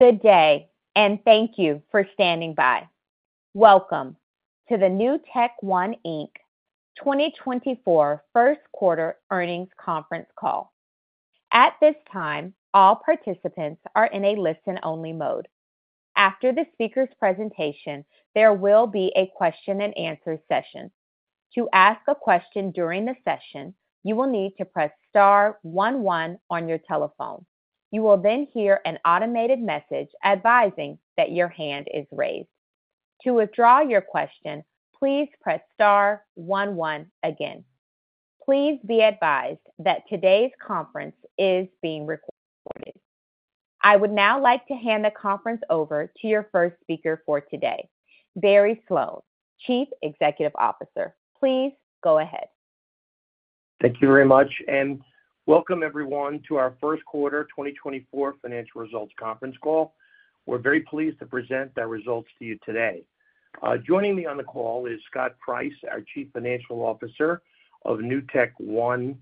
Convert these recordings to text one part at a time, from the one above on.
Good day, and thank you for standing by. Welcome to the NewtekOne, Inc. 2024 first quarter earnings conference call. At this time, all participants are in a listen-only mode. After the speaker's presentation, there will be a question and answer session. To ask a question during the session, you will need to press star one one on your telephone. You will then hear an automated message advising that your hand is raised. To withdraw your question, please press star one one again. Please be advised that today's conference is being recorded. I would now like to hand the conference over to your first speaker for today, Barry Sloane, Chief Executive Officer. Please go ahead. Thank you very much, and welcome everyone to our first quarter 2024 financial results conference call. We're very pleased to present our results to you today. Joining me on the call is Scott Price, our Chief Financial Officer of NewtekOne,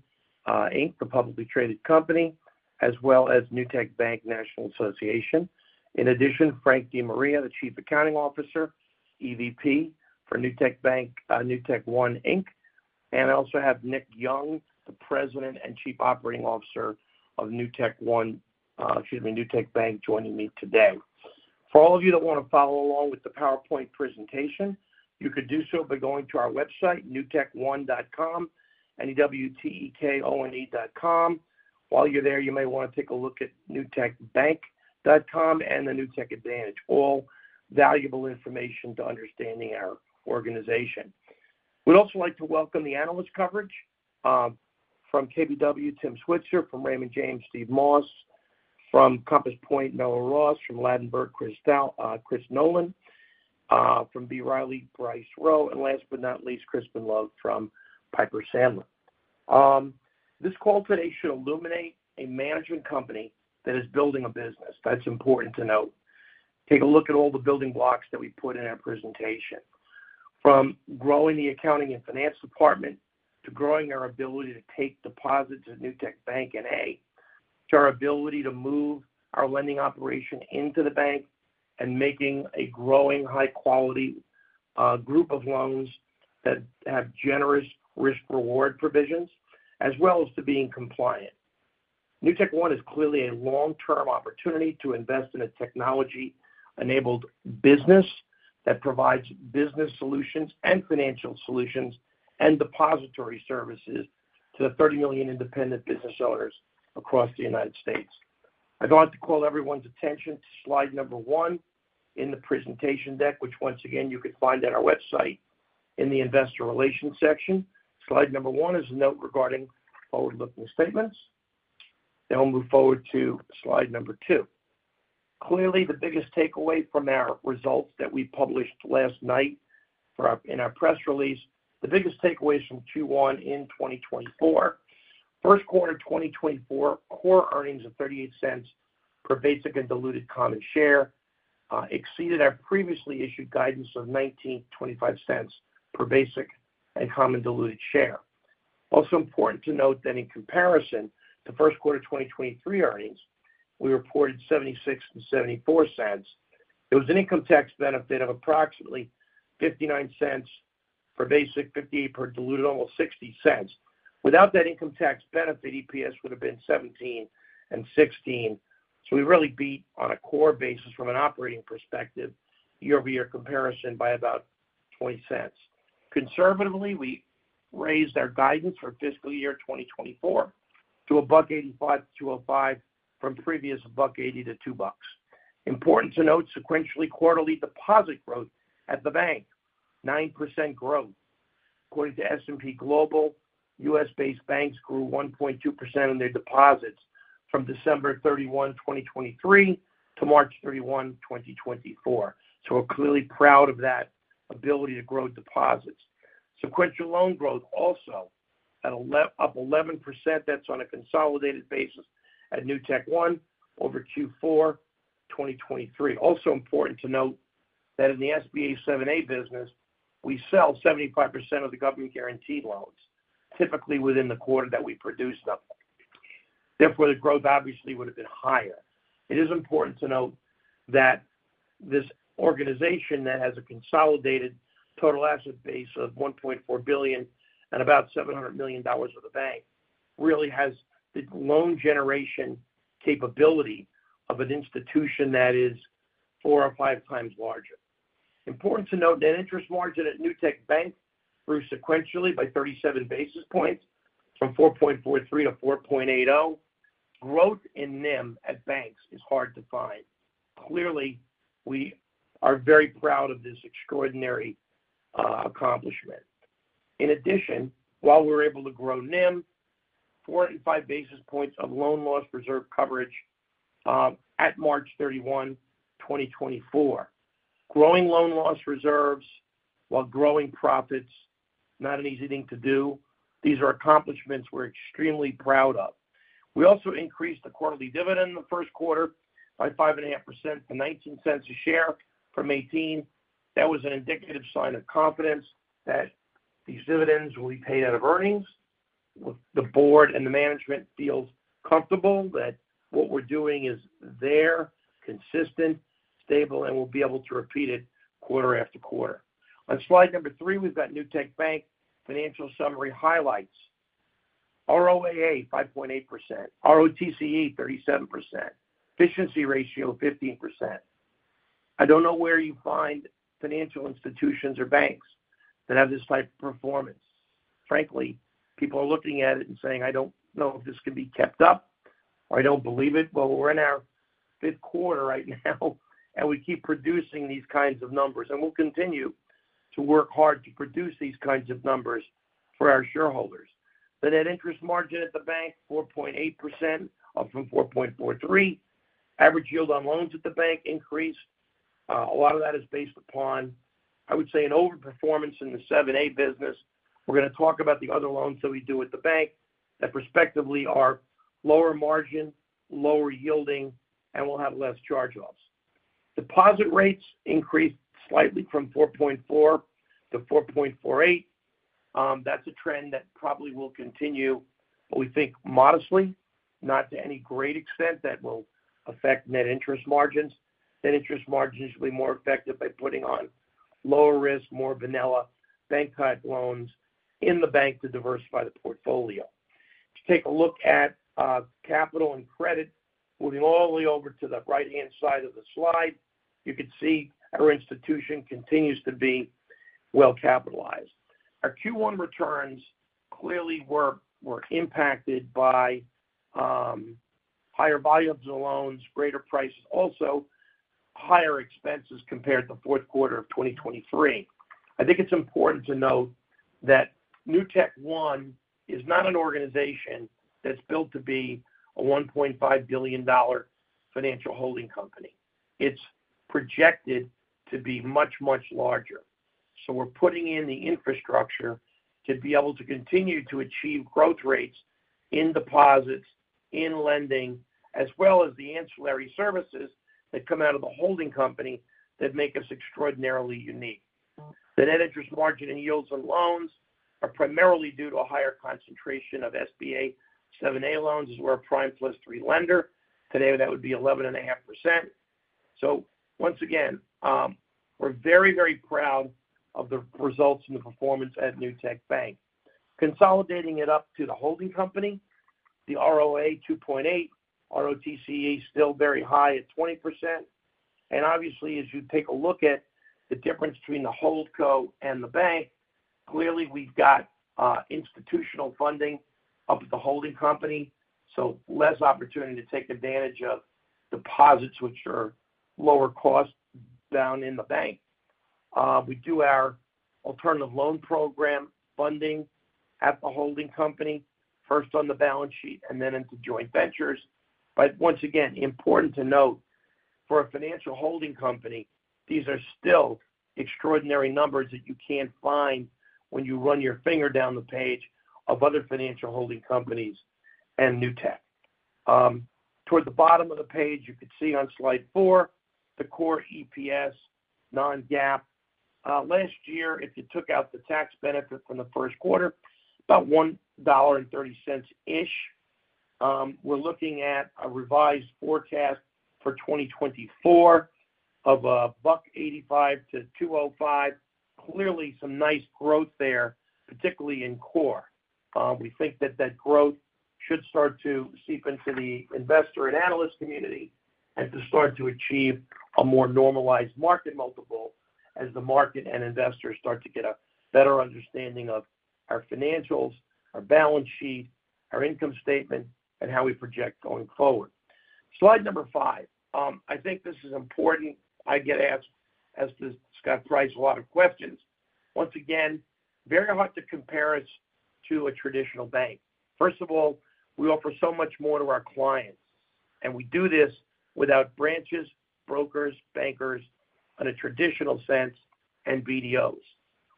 Inc., the publicly traded company, as well as Newtek Bank National Association. In addition, Frank DeMaria, the Chief Accounting Officer, EVP for Newtek Bank, NewtekOne, Inc. I also have Nick Young, the President and Chief Operating Officer of NewtekOne, excuse me, Newtek Bank, joining me today. For all of you that wanna follow along with the PowerPoint presentation, you could do so by going to our website, newtekone.com, N-E-W-T-E-K-O-N-E.com. While you're there, you may wanna take a look at newtekbank.com and the Newtek Advantage, all valuable information to understanding our organization. We'd also like to welcome the analyst coverage from KBW, Tim Switzer, from Raymond James, Steve Moss, from Compass Point, Noah Ross, from Ladenburg, Chris Nolan, from B. Riley, Bryce Rowe, and last but not least, Crispin Love from Piper Sandler. This call today should illuminate a management company that is building a business. That's important to note. Take a look at all the building blocks that we put in our presentation. From growing the accounting and finance department, to growing our ability to take deposits at Newtek Bank N.A., to our ability to move our lending operation into the bank and making a growing, high-quality group of loans that have generous risk-reward provisions, as well as to being compliant. NewtekOne is clearly a long-term opportunity to invest in a technology-enabled business that provides business solutions and financial solutions and depository services to the 30 million independent business owners across the United States. I'd like to call everyone's attention to slide number 1 in the presentation deck, which once again, you can find on our website in the investor relations section. Slide number 1 is a note regarding forward-looking statements. Then we'll move forward to slide number 2. Clearly, the biggest takeaway from our results that we published last night in our press release, the biggest takeaways from Q1 in 2024. First quarter 2024, core earnings of $0.38 per basic and diluted common share exceeded our previously issued guidance of $0.19-$0.25 per basic and common diluted share. Also important to note that in comparison to first quarter 2023 earnings, we reported $0.76 and $0.74. There was an income tax benefit of approximately $0.59 per basic, $0.58 per diluted, almost $0.60. Without that income tax benefit, EPS would have been $0.17 and $0.16. So we really beat on a core basis from an operating perspective, year-over-year comparison by about $0.20. Conservatively, we raised our guidance for fiscal year 2024 to $1.85-$2.05 from previous $1.80-$2.00. Important to note, sequentially, quarterly deposit growth at the bank, 9% growth. According to S&P Global, U.S.-based banks grew 1.2% in their deposits from December 31, 2023 to March 31, 2024. So we're clearly proud of that ability to grow deposits. Sequential loan growth also up 11%, that's on a consolidated basis at NewtekOne over Q4 2023. Also important to note that in the SBA 7(a) business, we sell 75% of the government-guaranteed loans, typically within the quarter that we produce them. Therefore, the growth obviously would have been higher. It is important to note that this organization that has a consolidated total asset base of $1.4 billion and about $700 million of the bank, really has the loan generation capability of an institution that is 4 or 5 times larger. Important to note that interest margin at Newtek Bank grew sequentially by 37 basis points, from 4.43% to 4.80%. Growth in NIM at banks is hard to find. Clearly, we are very proud of this extraordinary accomplishment. In addition, while we're able to grow NIM, 45 basis points of loan loss reserve coverage at March 31, 2024. Growing loan loss reserves while growing profits, not an easy thing to do. These are accomplishments we're extremely proud of. We also increased the quarterly dividend in the first quarter by 5.5% to $0.19 a share from $0.18. That was an indicative sign of confidence that these dividends will be paid out of earnings... The board and the management feels comfortable that what we're doing is there, consistent, stable, and we'll be able to repeat it quarter after quarter. On slide number 3, we've got Newtek Bank financial summary highlights. ROAA, 5.8%. ROTCE, 37%. Efficiency ratio, 15%. I don't know where you find financial institutions or banks that have this type of performance. Frankly, people are looking at it and saying, "I don't know if this can be kept up," or, "I don't believe it." Well, we're in our fifth quarter right now, and we keep producing these kinds of numbers, and we'll continue to work hard to produce these kinds of numbers for our shareholders. The net interest margin at the bank, 4.8%, up from 4.43%. Average yield on loans at the bank increased. A lot of that is based upon, I would say, an overperformance in the 7(a) business. We're gonna talk about the other loans that we do at the bank that respectively are lower margin, lower yielding, and will have less charge-offs. Deposit rates increased slightly from 4.4% to 4.48%. That's a trend that probably will continue, but we think modestly, not to any great extent that will affect net interest margins. Net interest margins will be more effective by putting on lower risk, more vanilla, bank-cut loans in the bank to diversify the portfolio. To take a look at capital and credit, moving all the way over to the right-hand side of the slide, you can see our institution continues to be well-capitalized. Our Q1 returns clearly were impacted by higher volumes of loans, greater prices, also higher expenses compared to the fourth quarter of 2023. I think it's important to note that Newtek One is not an organization that's built to be a $1.5 billion financial holding company. It's projected to be much, much larger. So we're putting in the infrastructure to be able to continue to achieve growth rates in deposits, in lending, as well as the ancillary services that come out of the holding company that make us extraordinarily unique. The net interest margin and yields on loans are primarily due to a higher concentration of SBA 7(a) loans, is we're a prime plus three lender. Today, that would be 11.5%. So once again, we're very, very proud of the results and the performance at Newtek Bank. Consolidating it up to the holding company, the ROA 2.8, ROTCE still very high at 20%. And obviously, as you take a look at the difference between the Holdco. and the bank, clearly we've got institutional funding up at the holding company, so less opportunity to take advantage of deposits which are lower cost down in the bank. We do our Alternative Loan Program funding at the holding company, first on the balance sheet and then into joint ventures. But once again, important to note, for a financial holding company, these are still extraordinary numbers that you can't find when you run your finger down the page of other financial holding companies and Newtek. Toward the bottom of the page, you can see on slide 4, the core EPS non-GAAP. Last year, if you took out the tax benefit from the first quarter, about $1.30-ish. We're looking at a revised forecast for 2024 of $1.85-$2.05. Clearly, some nice growth there, particularly in core. We think that that growth should start to seep into the investor and analyst community, and to start to achieve a more normalized market multiple as the market and investors start to get a better understanding of our financials, our balance sheet, our income statement, and how we project going forward. Slide number 5. I think this is important. I get asked, as does Scott Price, a lot of questions. Once again, very hard to compare us to a traditional bank. First of all, we offer so much more to our clients, and we do this without branches, brokers, bankers on a traditional sense, and BDOs.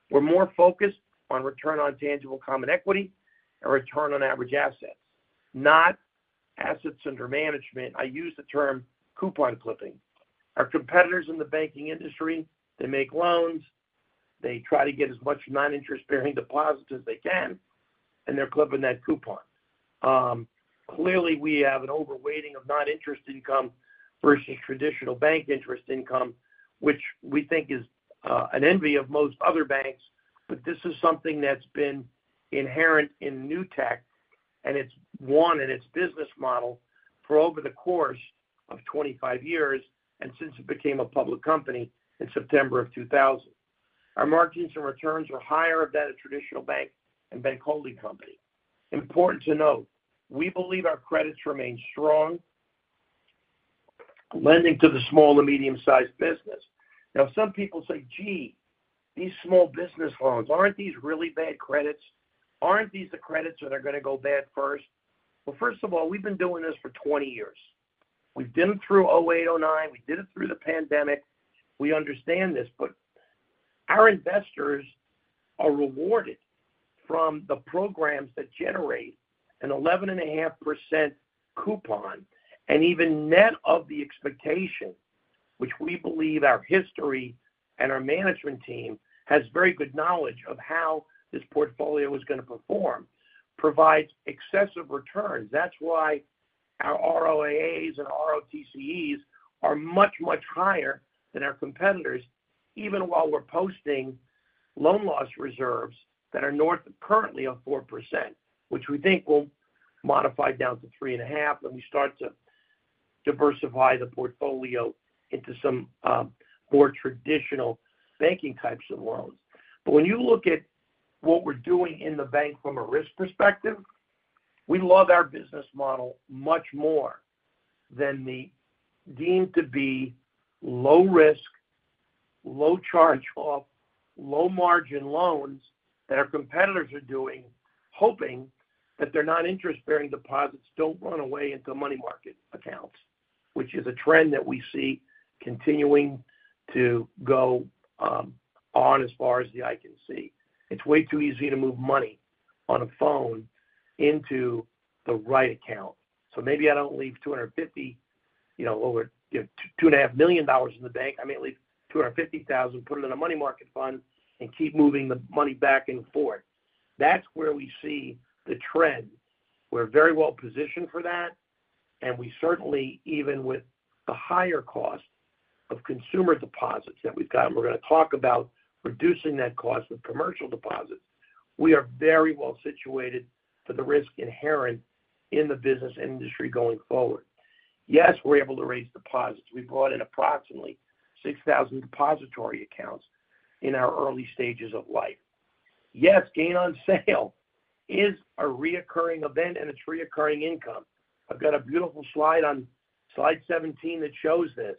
We're more focused on return on tangible common equity and return on average assets, not assets under management. I use the term coupon clipping. Our competitors in the banking industry, they make loans, they try to get as much non-interest-bearing deposits as they can, and they're clipping that coupon. Clearly, we have an overweighting of non-interest income versus traditional bank interest income, which we think is the envy of most other banks. But this is something that's been inherent in Newtek, and it's one in its business model for over the course of 25 years and since it became a public company in September of 2000. Our margins and returns are higher than a traditional bank and bank holding company. Important to note, we believe our credits remain strong, lending to the small and medium-sized business. Now, some people say, "Gee, these small business loans, aren't these really bad credits? Aren't these the credits that are gonna go bad first?" Well, first of all, we've been doing this for 20 years. We've been through 2008, 2009, we did it through the pandemic. We understand this, but our investors are rewarded from the programs that generate an 11.5% coupon, and even net of the expectation, which we believe our history and our management team has very good knowledge of how this portfolio is going to perform, provides excessive returns. That's why our ROAAs and ROTCEs are much, much higher than our competitors, even while we're posting loan loss reserves that are north of currently of 4%, which we think will modify down to 3.5 when we start to diversify the portfolio into some more traditional banking types of loans. But when you look at what we're doing in the bank from a risk perspective, we love our business model much more than the deemed to be low risk, low charge-off, low-margin loans that our competitors are doing, hoping that their non-interest-bearing deposits don't run away into money market accounts, which is a trend that we see continuing to go on as far as the eye can see. It's way too easy to move money on a phone into the right account. So maybe I don't leave 250, you know, over $2.5 million in the bank. I may leave $250,000, put it in a money market fund, and keep moving the money back and forth. That's where we see the trend. We're very well positioned for that, and we certainly, even with the higher cost of consumer deposits that we've got, and we're going to talk about reducing that cost of commercial deposits, we are very well situated for the risk inherent in the business industry going forward. Yes, we're able to raise deposits. We brought in approximately 6,000 depository accounts in our early stages of life. Yes, gain on sale is a recurring event, and it's recurring income. I've got a beautiful slide on slide 17 that shows this.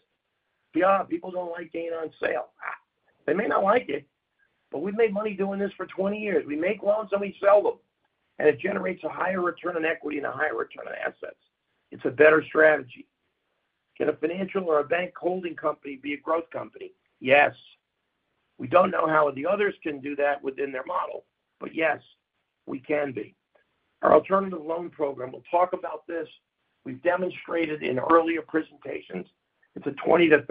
Yeah, people don't like gain on sale. They may not like it, but we've made money doing this for 20 years. We make loans, and we sell them, and it generates a higher return on equity and a higher return on assets. It's a better strategy. Can a financial or a bank holding company be a growth company? Yes. We don't know how the others can do that within their model, but yes, we can be. Our Alternative Loan Program, we'll talk about this. We've demonstrated in earlier presentations, it's a 20%-30%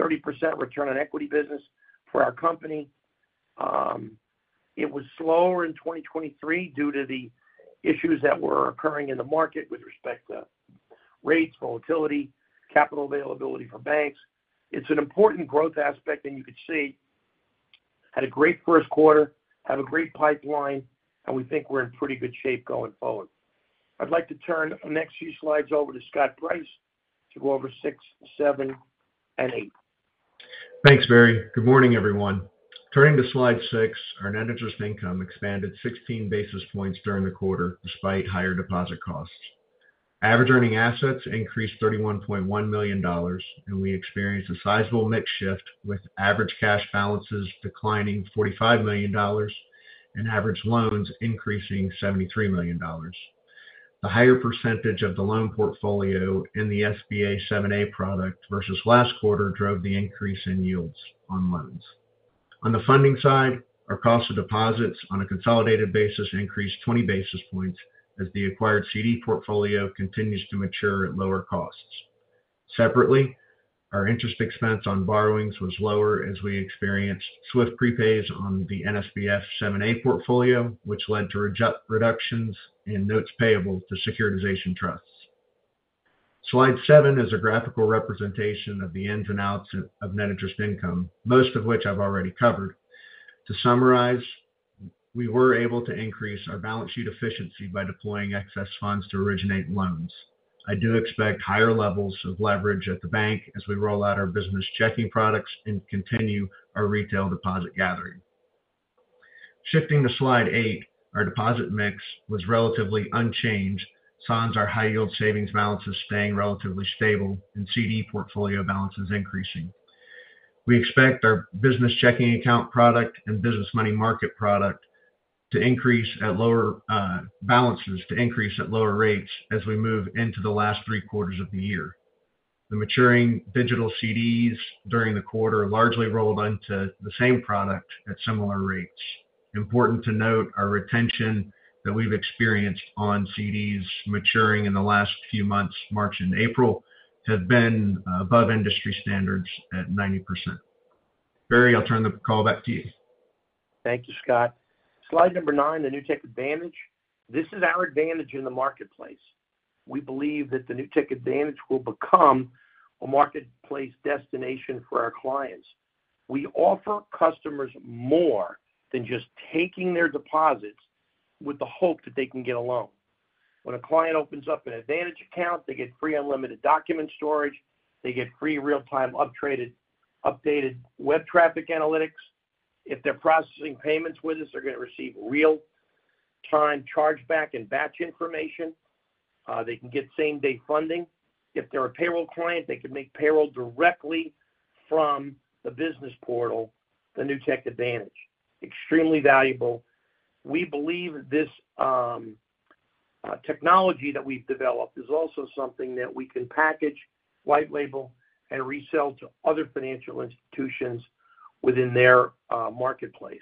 return on equity business for our company. It was slower in 2023 due to the issues that were occurring in the market with respect to rates, volatility, capital availability for banks. It's an important growth aspect, and you could see, had a great first quarter, have a great pipeline, and we think we're in pretty good shape going forward. I'd like to turn the next few slides over to Scott Price to go over 6, 7, and 8. Thanks, Barry. Good morning, everyone. Turning to slide 6, our net interest income expanded 16 basis points during the quarter despite higher deposit costs. Average earning assets increased $31.1 million, and we experienced a sizable mix shift, with average cash balances declining $45 million and average loans increasing $73 million. The higher percentage of the loan portfolio in the SBA 7(a) product versus last quarter drove the increase in yields on loans. On the funding side, our cost of deposits on a consolidated basis increased 20 basis points as the acquired CD portfolio continues to mature at lower costs. Separately, our interest expense on borrowings was lower as we experienced swift prepays on the NSBF 7(a) portfolio, which led to reductions in notes payable to securitization trusts. Slide 7 is a graphical representation of the ins and outs of net interest income, most of which I've already covered. To summarize, we were able to increase our balance sheet efficiency by deploying excess funds to originate loans. I do expect higher levels of leverage at the bank as we roll out our business checking products and continue our retail deposit gathering. Shifting to slide 8, our deposit mix was relatively unchanged, with our high yield savings balances staying relatively stable and CD portfolio balances increasing. We expect our business checking account product and business money market product to increase at lower rates as we move into the last 3 quarters of the year. The maturing digital CDs during the quarter largely rolled into the same product at similar rates. Important to note, our retention that we've experienced on CDs maturing in the last few months, March and April, have been above industry standards at 90%. Barry, I'll turn the call back to you. Thank you, Scott. Slide number nine, the Newtek Advantage. This is our advantage in the marketplace. We believe that the Newtek Advantage will become a marketplace destination for our clients. We offer customers more than just taking their deposits with the hope that they can get a loan. When a client opens up an Advantage account, they get free, unlimited document storage. They get free real-time updated web traffic analytics. If they're processing payments with us, they're going to receive real-time chargeback and batch information. They can get same-day funding. If they're a payroll client, they can make payroll directly from the business portal, the Newtek Advantage. Extremely valuable. We believe this technology that we've developed is also something that we can package, white label, and resell to other financial institutions within their marketplace.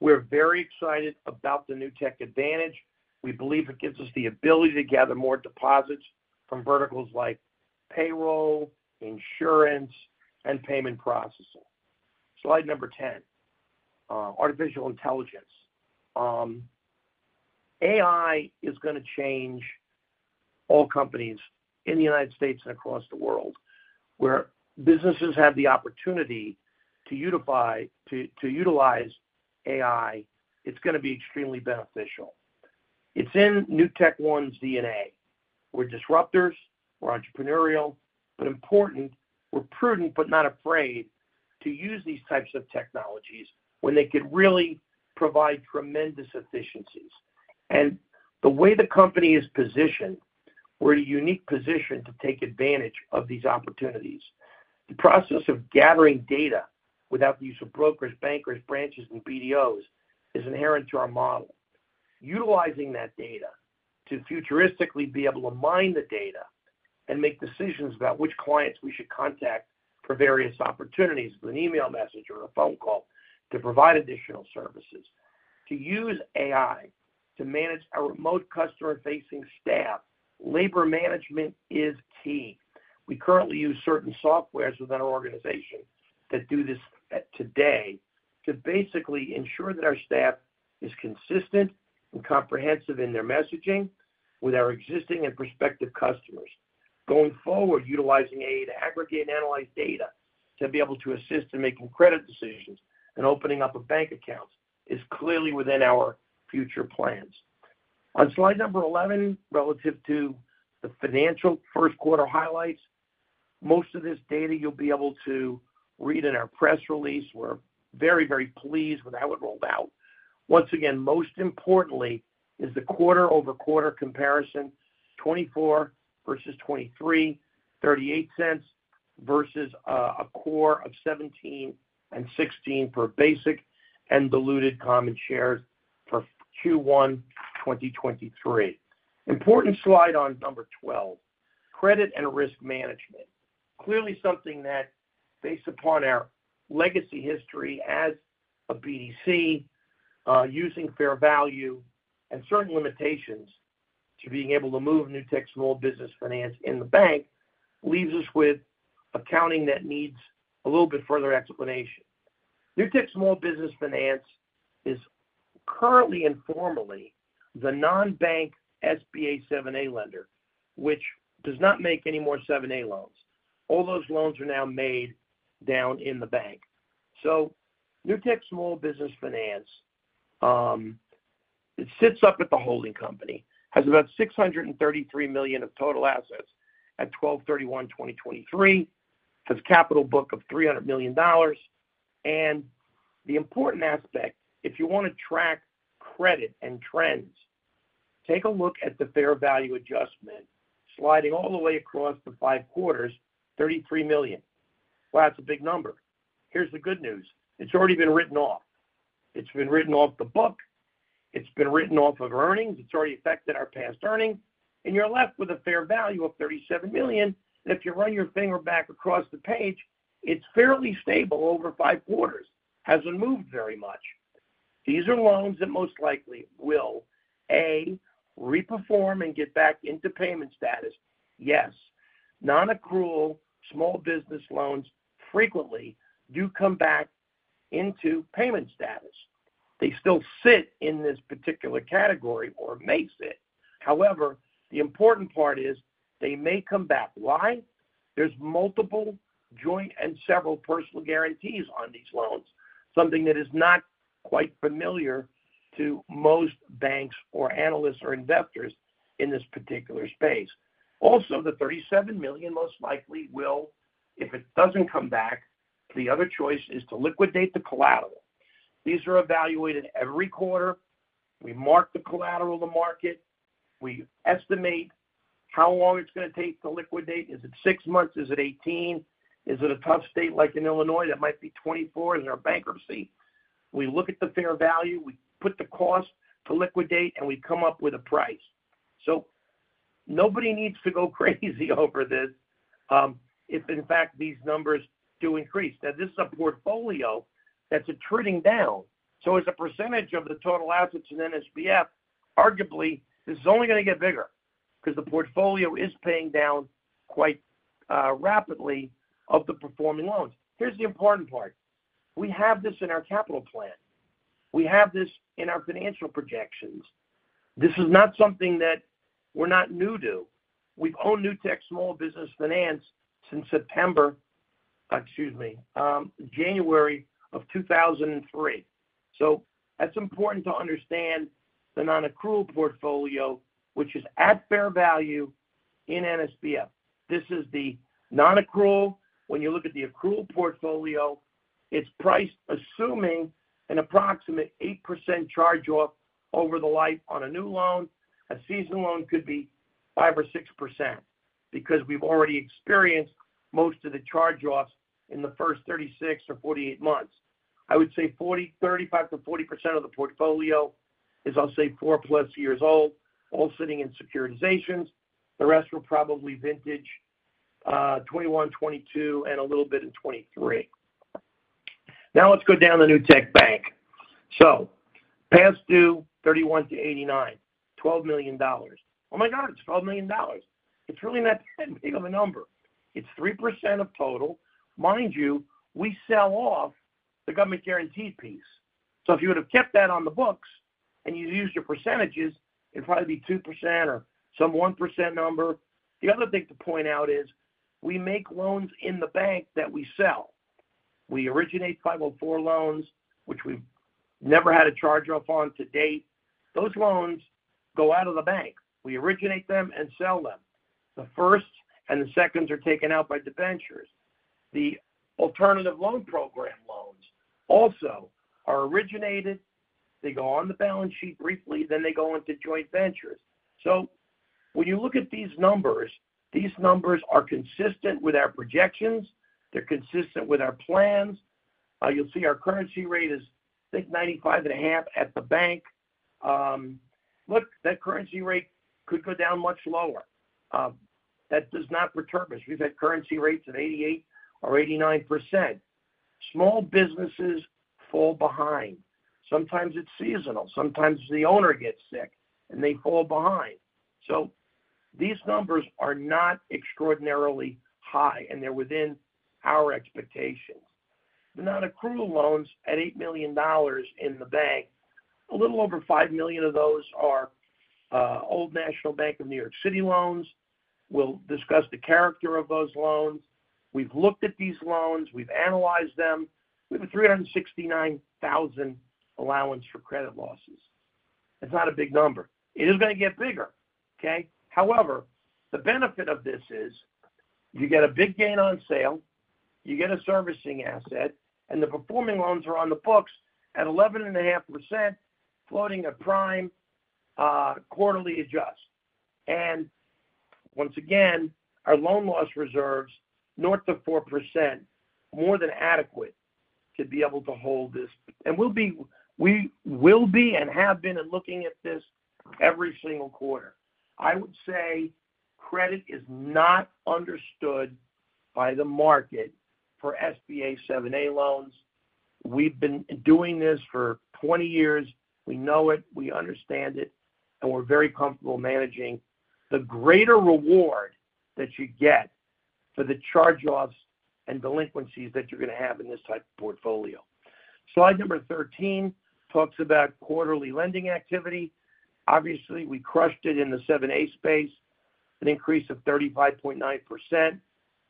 We're very excited about the Newtek Advantage. We believe it gives us the ability to gather more deposits from verticals like payroll, insurance, and payment processing. Slide number 10, Artificial Intelligence. AI is gonna change all companies in the United States and across the world, where businesses have the opportunity to utilize AI, it's gonna be extremely beneficial. It's in NewtekOne's DNA. We're disruptors, we're entrepreneurial, but important, we're prudent but not afraid to use these types of technologies when they could really provide tremendous efficiencies. And the way the company is positioned, we're in a unique position to take advantage of these opportunities. The process of gathering data without the use of brokers, bankers, branches, and BDOs is inherent to our model. Utilizing that data to futuristically be able to mine the data and make decisions about which clients we should contact for various opportunities, with an email message or a phone call to provide additional services. To use AI to manage our remote customer-facing staff, labor management is key. We currently use certain software within our organization that do this today, to basically ensure that our staff is consistent and comprehensive in their messaging with our existing and prospective customers. Going forward, utilizing AI to aggregate and analyze data, to be able to assist in making credit decisions and opening up a bank account is clearly within our future plans. On slide number 11, relative to the financial first quarter highlights, most of this data you'll be able to read in our press release. We're very, very pleased with how it rolled out. Once again, most importantly is the quarter-over-quarter comparison, 2024 versus 2023, $0.38 versus a core of $0.17 and $0.16 for basic and diluted common shares for Q1 2023. Important slide on 12, credit and risk management. Clearly something that based upon our legacy history as a BDC, using fair value and certain limitations to being able to move Newtek's Small Business Finance in the bank, leaves us with accounting that needs a little bit further explanation. Newtek's Small Business Finance is currently informally the non-bank SBA 7(a) lender, which does not make any more 7(a) loans. All those loans are now made down in the bank. So Newtek Small Business Finance, it sits up at the holding company, has about $633 million of total assets at 12/31/2023. Has capital book of $300 million. The important aspect, if you wanna track credit and trends, take a look at the fair value adjustment, sliding all the way across the five quarters, $33 million. Well, that's a big number. Here's the good news. It's already been written off. It's been written off the book. It's been written off of earnings. It's already affected our past earnings, and you're left with a fair value of $37 million. If you run your finger back across the page, it's fairly stable over five quarters. Hasn't moved very much. These are loans that most likely will, A, re-perform and get back into payment status. Yes, nonaccrual small business loans frequently do come back into payment status. They still sit in this particular category or may sit. However, the important part is, they may come back. Why? There's multiple joint and several personal guarantees on these loans, something that is not quite familiar to most banks or analysts or investors in this particular space. Also, the $37 million most likely will... If it doesn't come back, the other choice is to liquidate the collateral. These are evaluated every quarter. We mark the collateral to market. We estimate how long it's gonna take to liquidate. Is it six months? Is it 18? Is it a tough state like in Illinois, that might be 24 and their bankruptcy? We look at the fair value, we put the cost to liquidate, and we come up with a price. So nobody needs to go crazy over this, if in fact these numbers do increase. Now, this is a portfolio that's attriting down, so as a percentage of the total assets in NSBF, arguably, this is only gonna get bigger because the portfolio is paying down quite rapidly of the performing loans. Here's the important part: We have this in our capital plan. We have this in our financial projections. This is not something that we're not new to. We've owned Newtek Small Business Finance since January of 2003. So that's important to understand the nonaccrual portfolio, which is at fair value in NSBF. This is the nonaccrual. When you look at the accrual portfolio, it's priced assuming an approximate 8% charge-off over the life on a new loan. A seasoned loan could be 5% or 6% because we've already experienced most of the charge-offs in the first 36 or 48 months. I would say 35%-40% of the portfolio is, I'll say, 4+ years old, all sitting in securitizations. The rest were probably vintage 2021, 2022, and a little bit in 2023. Now let's go down to Newtek Bank. So past due, 31-89, $12 million. Oh, my God, it's $12 million! It's really not that big of a number. It's 3% of total. Mind you, we sell off the government-guaranteed piece. So if you would've kept that on the books and you used your percentages, it'd probably be 2% or some 1% number. The other thing to point out is, we make loans in the bank that we sell. We originate 504 loans, which we've never had a charge-off on to date. Those loans go out of the bank. We originate them and sell them. The first and the seconds are taken out by debentures. The Alternative Loan Program loans also are originated. They go on the balance sheet briefly, then they go into joint ventures. So when you look at these numbers, these numbers are consistent with our projections. They're consistent with our plans. You'll see our cure rate is, I think, 95.5% at the bank. Look, that cure rate could go down much lower. That does not perturb us. We've had cure rates at 88% or 89%. Small businesses fall behind. Sometimes it's seasonal. Sometimes the owner gets sick, and they fall behind. So these numbers are not extraordinarily high, and they're within our expectations. The non-accrual loans at $8 million in the bank, a little over $5 million of those are old National Bank of New York City loans. We'll discuss the character of those loans. We've looked at these loans. We've analyzed them. We have a $369,000 allowance for credit losses. It's not a big number. It is gonna get bigger, okay? However, the benefit of this is, you get a big gain on sale, you get a servicing asset, and the performing loans are on the books at 11.5%, floating at prime, quarterly adjust. And once again, our loan loss reserves, north of 4%, more than adequate to be able to hold this. And we'll be—we will be and have been in looking at this every single quarter. I would say credit is not understood by the market for SBA 7(a) loans. We've been doing this for 20 years. We know it, we understand it, and we're very comfortable managing the greater reward that you get for the charge-offs and delinquencies that you're gonna have in this type of portfolio. Slide number 13 talks about quarterly lending activity. Obviously, we crushed it in the 7(a) space, an increase of 35.9%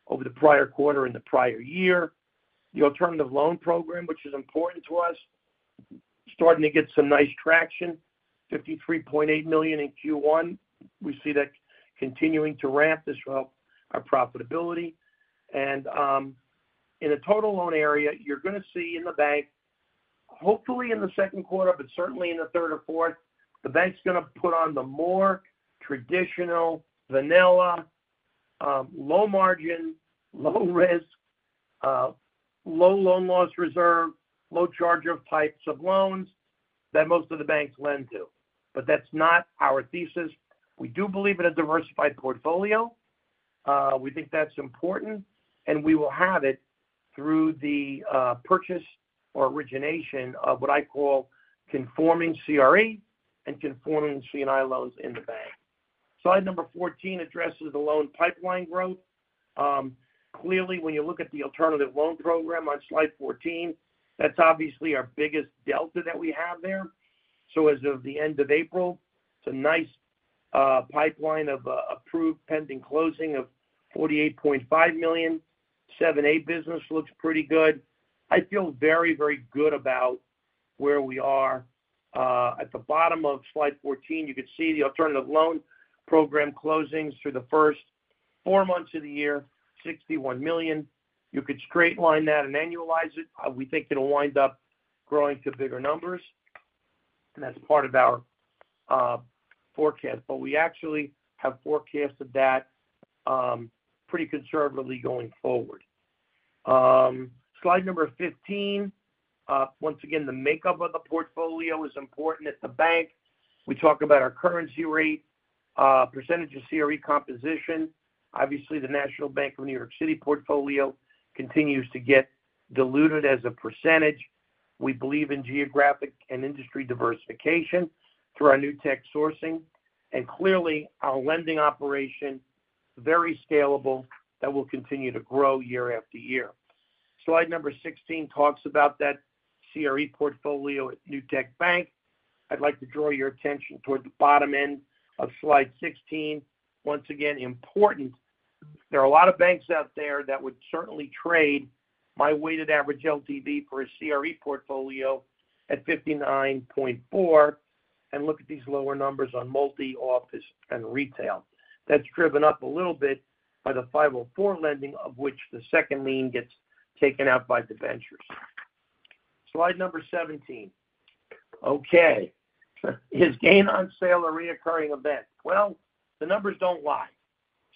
over the prior quarter and the prior year. The alternative loan program, which is important to us, starting to get some nice traction, $53.8 million in Q1. We see that continuing to ramp this up, our profitability. And, in the total loan area, you're gonna see in the bank, hopefully in the second quarter, but certainly in the third or fourth, the bank's gonna put on the more traditional, vanilla, low margin, low risk, low loan loss reserve, low charge-off types of loans that most of the banks lend to. But that's not our thesis. We do believe in a diversified portfolio. We think that's important, and we will have it through the purchase or origination of what I call conforming CRE and conforming C&I loans in the bank. Slide number 14 addresses the loan pipeline growth. Clearly, when you look at the alternative loan program on slide 14, that's obviously our biggest delta that we have there. So as of the end of April, it's a nice pipeline of approved pending closing of $48.5 million. 7(a) business looks pretty good. I feel very, very good about where we are. At the bottom of slide 14, you can see the alternative loan program closings through the first four months of the year, $61 million. You could straight line that and annualize it. We think it'll wind up growing to bigger numbers, and that's part of our forecast. But we actually have forecasted that pretty conservatively going forward. Slide number 15. Once again, the makeup of the portfolio is important at the bank. We talk about our current rate percentage of CRE composition. Obviously, the National Bank of New York City portfolio continues to get diluted as a percentage. We believe in geographic and industry diversification through our Newtek sourcing, and clearly, our lending operation, very scalable, that will continue to grow year after year. Slide number 16 talks about that CRE portfolio at Newtek Bank. I'd like to draw your attention toward the bottom end of slide 16. Once again, important, there are a lot of banks out there that would certainly trade my weighted average LTV for a CRE portfolio at 59.4, and look at these lower numbers on multi-office and retail. That's driven up a little bit by the 504 lending, of which the second lien gets taken out by debentures. Slide number 17. Okay, is gain on sale a recurring event? Well, the numbers don't lie.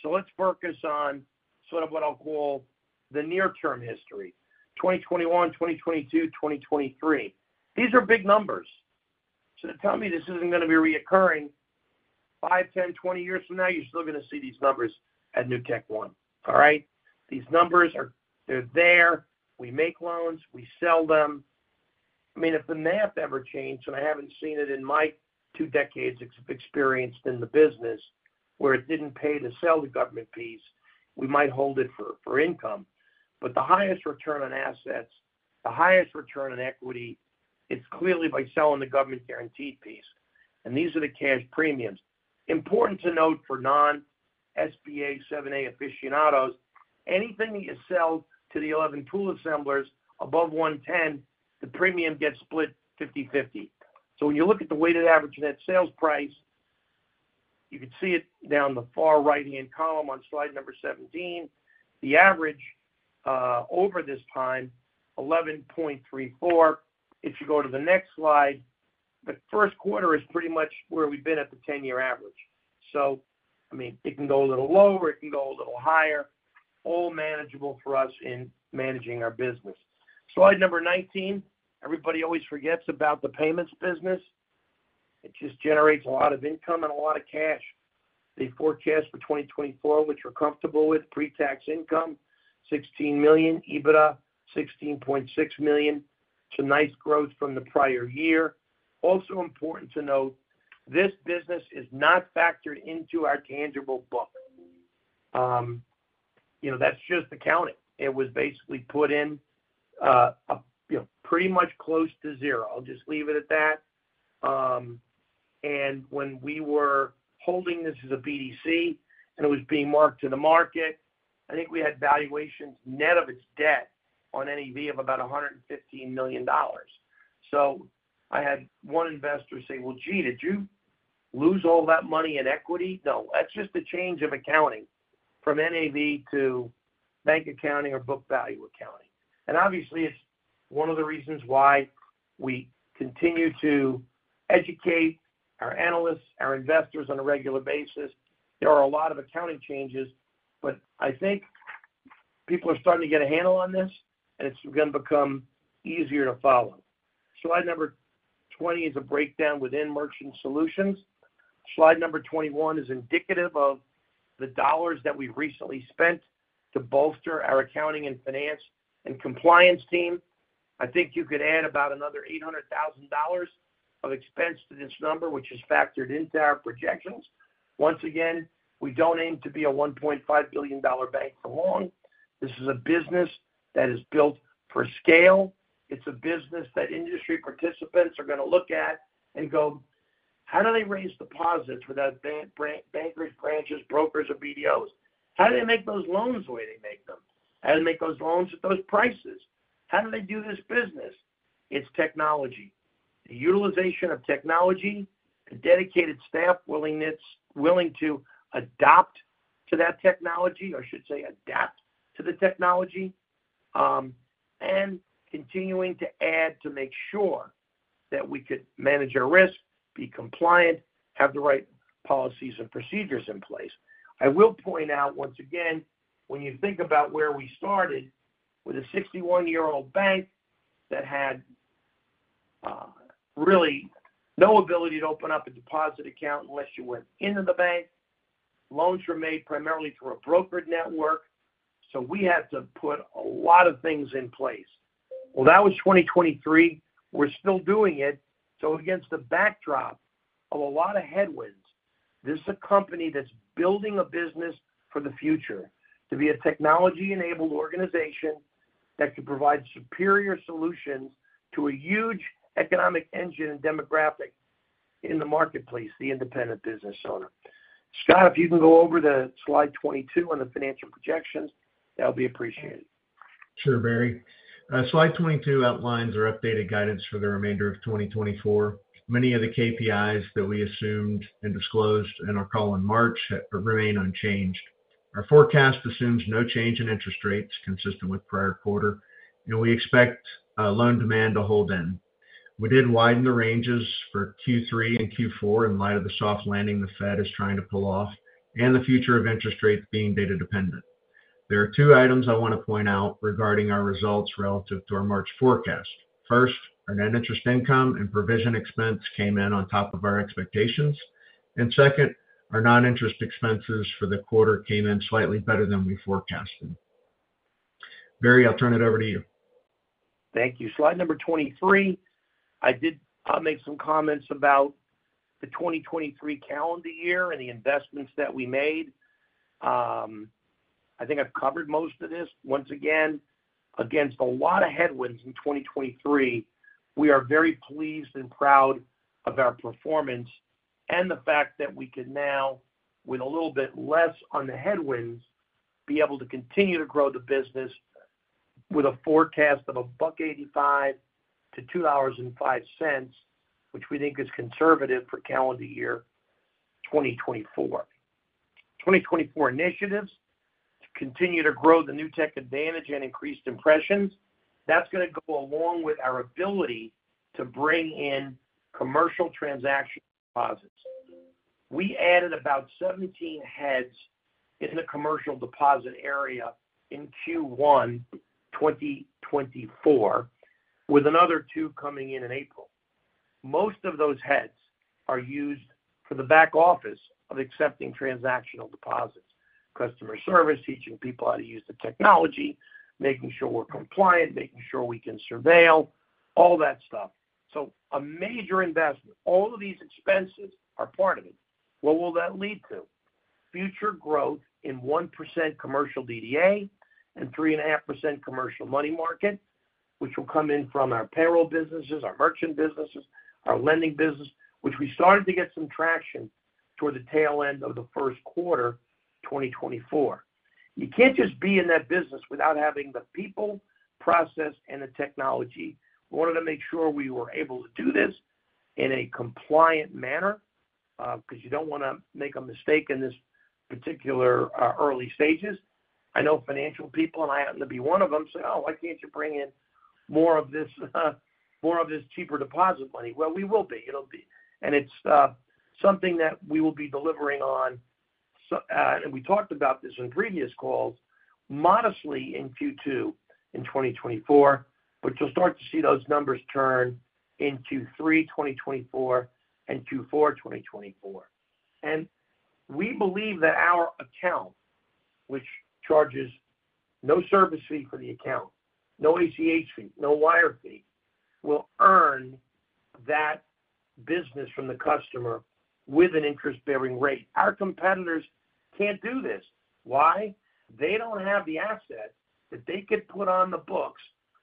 So let's focus on sort of what I'll call the near-term history, 2021, 2022, 2023. These are big numbers.... So tell me this isn't gonna be recurring 5, 10, 20 years from now, you're still gonna see these numbers at NewtekOne. All right? These numbers are - they're there. We make loans. We sell them. I mean, if the math ever changed, and I haven't seen it in my two decades experienced in the business, where it didn't pay to sell the government piece, we might hold it for income. But the highest return on assets, the highest return on equity, it's clearly by selling the government-guaranteed piece, and these are the cash premiums. Important to note for non-SBA 7(a) aficionados, anything that you sell to the 11 pool assemblers above 110, the premium gets split 50/50. So when you look at the weighted average net sales price, you can see it down the far right-hand column on slide number 17. The average over this time, 11.34. If you go to the next slide, the first quarter is pretty much where we've been at the 10-year average. So, I mean, it can go a little lower, it can go a little higher, all manageable for us in managing our business. Slide 19. Everybody always forgets about the payments business. It just generates a lot of income and a lot of cash. The forecast for 2024, which we're comfortable with, pre-tax income, $16 million, EBITDA, $16.6 million. Some nice growth from the prior year. Also important to note, this business is not factored into our tangible book. You know, that's just accounting. It was basically put in, you know, pretty much close to zero. I'll just leave it at that. And when we were holding this as a BDC and it was being marked to the market, I think we had valuations net of its debt on NAV of about $115 million. So I had one investor say, "Well, gee, did you lose all that money in equity?" No, that's just a change of accounting from NAV to bank accounting or book value accounting. And obviously, it's one of the reasons why we continue to educate our analysts, our investors on a regular basis. There are a lot of accounting changes, but I think people are starting to get a handle on this, and it's gonna become easier to follow. Slide number 20 is a breakdown within Merchant Solutions. Slide number 21 is indicative of the dollars that we recently spent to bolster our accounting and finance and compliance team. I think you could add about another $800,000 of expense to this number, which is factored into our projections. Once again, we don't aim to be a $1.5 billion bank for long. This is a business that is built for scale. It's a business that industry participants are gonna look at and go: How do they raise deposits without bankers, branches, brokers, or BDOs? How do they make those loans the way they make them? How do they make those loans at those prices? How do they do this business? It's technology. The utilization of technology, a dedicated staff willing to adopt to that technology, or I should say, adapt to the technology, and continuing to add to make sure that we could manage our risk, be compliant, have the right policies and procedures in place. I will point out once again, when you think about where we started with a 61-year-old bank that had really no ability to open up a deposit account unless you went into the bank. Loans were made primarily through a brokered network, so we had to put a lot of things in place. Well, that was 2023. We're still doing it. So against the backdrop of a lot of headwinds, this is a company that's building a business for the future to be a technology-enabled organization that can provide superior solutions to a huge economic engine and demographic in the marketplace, the independent business owner. Scott, if you can go over the slide 22 on the financial projections, that would be appreciated. Sure, Barry. Slide 22 outlines our updated guidance for the remainder of 2024. Many of the KPIs that we assumed and disclosed in our call in March have remained unchanged. Our forecast assumes no change in interest rates consistent with prior quarter, and we expect loan demand to hold in. We did widen the ranges for Q3 and Q4 in light of the soft landing the Fed is trying to pull off and the future of interest rates being data dependent. There are two items I want to point out regarding our results relative to our March forecast. First, our net interest income and provision expense came in on top of our expectations. And second, our non-interest expenses for the quarter came in slightly better than we forecasted. Barry, I'll turn it over to you. Thank you. Slide number 23. I did make some comments about the 2023 calendar year and the investments that we made. I think I've covered most of this. Once again, against a lot of headwinds in 2023, we are very pleased and proud of our performance and the fact that we can now, with a little bit less on the headwinds, be able to continue to grow the business with a forecast of $1.85-$2.05, which we think is conservative for calendar year 2024. 2024 initiatives: To continue to grow the Newtek Advantage and increase impressions. That's gonna go along with our ability to bring in commercial transaction deposits. We added about 17 heads in the commercial deposit area in Q1 2024, with another 2 coming in in April. Most of those heads are used for the back office of accepting transactional deposits, customer service, teaching people how to use the technology, making sure we're compliant, making sure we can surveil, all that stuff. So a major investment. All of these expenses are part of it. What will that lead to? Future growth in 1% commercial DDA and 3.5% commercial money market, which will come in from our payroll businesses, our merchant businesses, our lending business, which we started to get some traction toward the tail end of the first quarter, 2024. You can't just be in that business without having the people, process, and the technology. We wanted to make sure we were able to do this in a compliant manner, because you don't want to make a mistake in this particular, early stages. I know financial people, and I happen to be one of them, say, "Oh, why can't you bring in more of this, more of this cheaper deposit money?" Well, we will be. It'll be... And it's something that we will be delivering on, so, and we talked about this in previous calls, modestly in Q2 in 2024, but you'll start to see those numbers turn in Q3, 2024 and Q4, 2024. And we believe that our account, which charges no service fee for the account, no ACH fee, no wire fee, will earn that business from the customer with an interest-bearing rate. Our competitors can't do this. Why? They don't have the asset that they could put on the books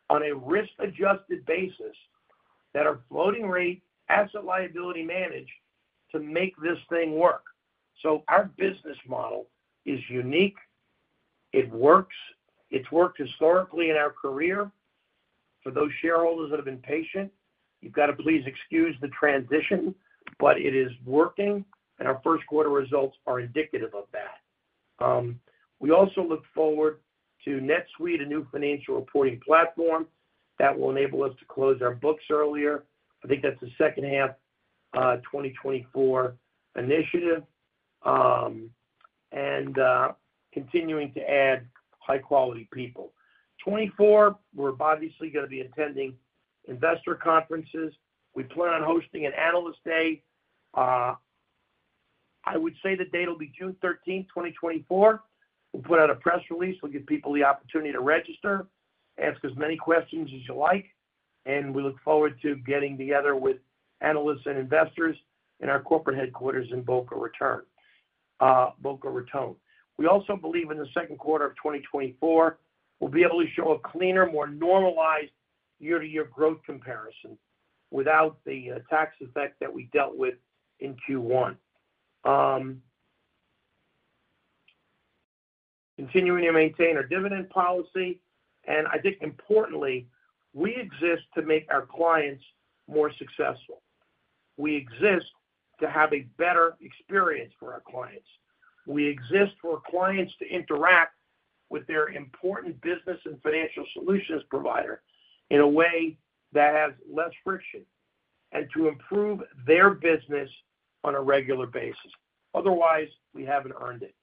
on a risk-adjusted basis, that are floating rate, asset-liability managed, to make this thing work. So our business model is unique. It works. It's worked historically in our career. For those shareholders that have been patient, you've got to please excuse the transition, but it is working, and our first quarter results are indicative of that. We also look forward to NetSuite, a new financial reporting platform, that will enable us to close our books earlier. I think that's a second half, 2024 initiative, and continuing to add high-quality people. 2024, we're obviously going to be attending investor conferences. We plan on hosting an Analyst Day. I would say the date will be June 13, 2024. We'll put out a press release. We'll give people the opportunity to register, ask as many questions as you like, and we look forward to getting together with analysts and investors in our corporate headquarters in Boca Raton. We also believe in the second quarter of 2024, we'll be able to show a cleaner, more normalized year-to-year growth comparison without the tax effect that we dealt with in Q1. Continuing to maintain our dividend policy, and I think importantly, we exist to make our clients more successful. We exist to have a better experience for our clients. We exist for our clients to interact with their important business and financial solutions provider in a way that has less friction and to improve their business on a regular basis. Otherwise, we haven't earned it.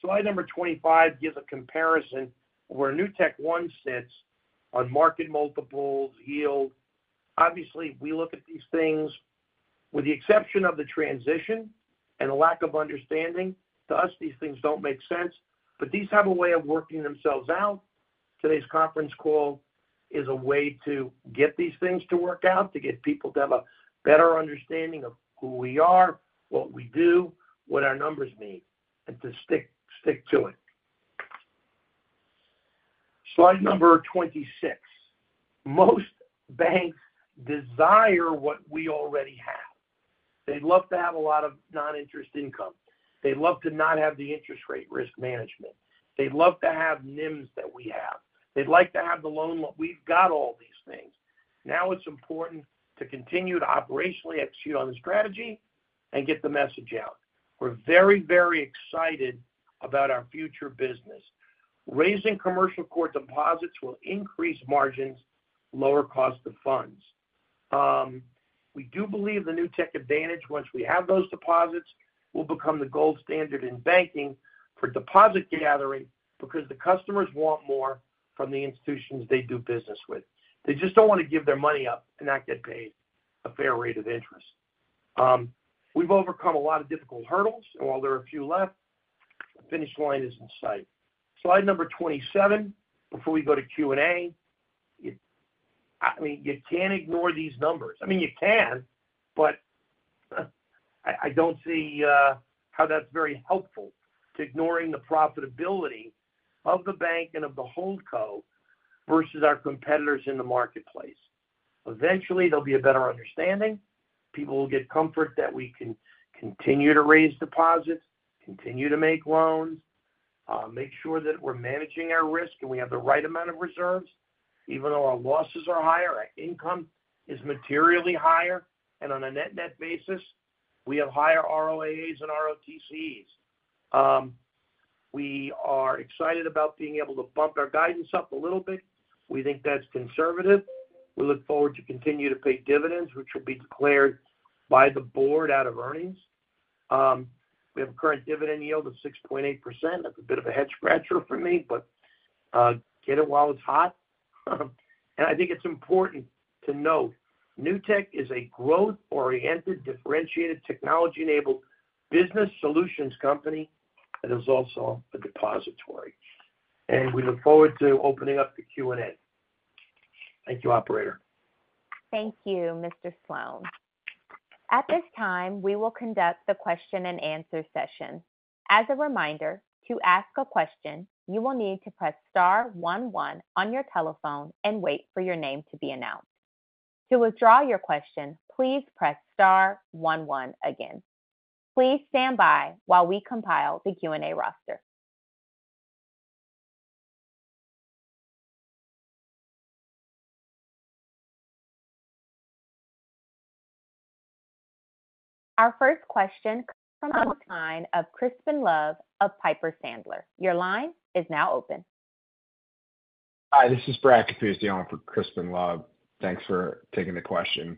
Slide number 25 gives a comparison of where NewtekOne sits on market multiples, yield. Obviously, we look at these things. With the exception of the transition and a lack of understanding, to us, these things don't make sense, but these have a way of working themselves out. Today's conference call is a way to get these things to work out, to get people to have a better understanding of who we are, what we do, what our numbers mean, and to stick, stick to it. Slide number 26. Most banks desire what we already have. They'd love to have a lot of non-interest income. They'd love to not have the interest rate risk management. They'd love to have NIMS that we have. They'd like to have the loan. We've got all these things. Now it's important to continue to operationally execute on the strategy and get the message out. We're very, very excited about our future business. Raising commercial core deposits will increase margins, lower cost of funds. We do believe the Newtek Advantage, once we have those deposits, will become the gold standard in banking for deposit gathering because the customers want more from the institutions they do business with. They just don't want to give their money up and not get paid a fair rate of interest. We've overcome a lot of difficult hurdles, and while there are a few left, the finish line is in sight. Slide number 27, before we go to Q&A. I mean, you can't ignore these numbers. I mean, you can, but I don't see how that's very helpful to ignoring the profitability of the bank and of the hold co versus our competitors in the marketplace. Eventually, there'll be a better understanding. People will get comfort that we can continue to raise deposits, continue to make loans, make sure that we're managing our risk, and we have the right amount of reserves. Even though our losses are higher, our income is materially higher, and on a net-net basis, we have higher ROAAs and ROTCs. We are excited about being able to bump our guidance up a little bit. We think that's conservative. We look forward to continue to pay dividends, which will be declared by the board out of earnings. We have a current dividend yield of 6.8%. That's a bit of a head-scratcher for me, but, get it while it's hot. I think it's important to note, Newtek is a growth-oriented, differentiated, technology-enabled business solutions company, and is also a depository. We look forward to opening up the Q&A. Thank you, operator. Thank you, Mr. Sloane. At this time, we will conduct the question-and-answer session. As a reminder, to ask a question, you will need to press star one one on your telephone and wait for your name to be announced. To withdraw your question, please press star one one again. Please stand by while we compile the Q&A roster. Our first question comes from the line of Crispin Love of Piper Sandler. Your line is now open. Hi, this is Brad Capuzzi on for Crispin Love. Thanks for taking the question.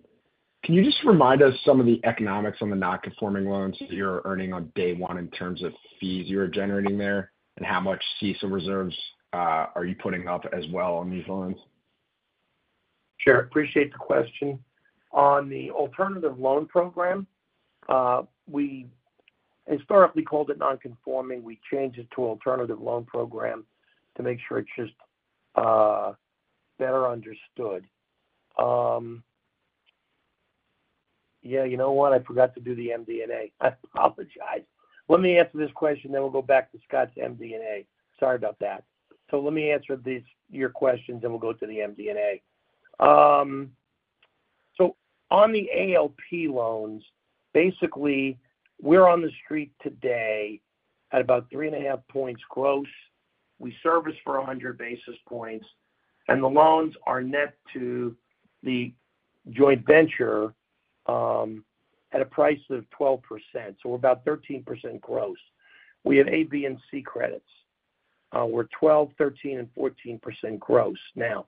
Can you just remind us some of the economics on the non-conforming loans that you're earning on day one in terms of fees you're generating there? How much CECL reserves are you putting up as well on these loans? Sure. Appreciate the question. On the alternative loan program, we historically called it non-conforming. We changed it to alternative loan program to make sure it's just better understood. Yeah, you know what? I forgot to do the MD&A. I apologize. Let me answer this question, then we'll go back to Scott's MD&A. Sorry about that. So let me answer these, your questions, then we'll go to the MD&A. So on the ALP loans, basically, we're on the street today at about 3.5 points gross. We service for 100 basis points, and the loans are net to the joint venture at a price of 12%, so about 13% gross. We have A, B, and C credits. We're 12%, 13%, and 14% gross now.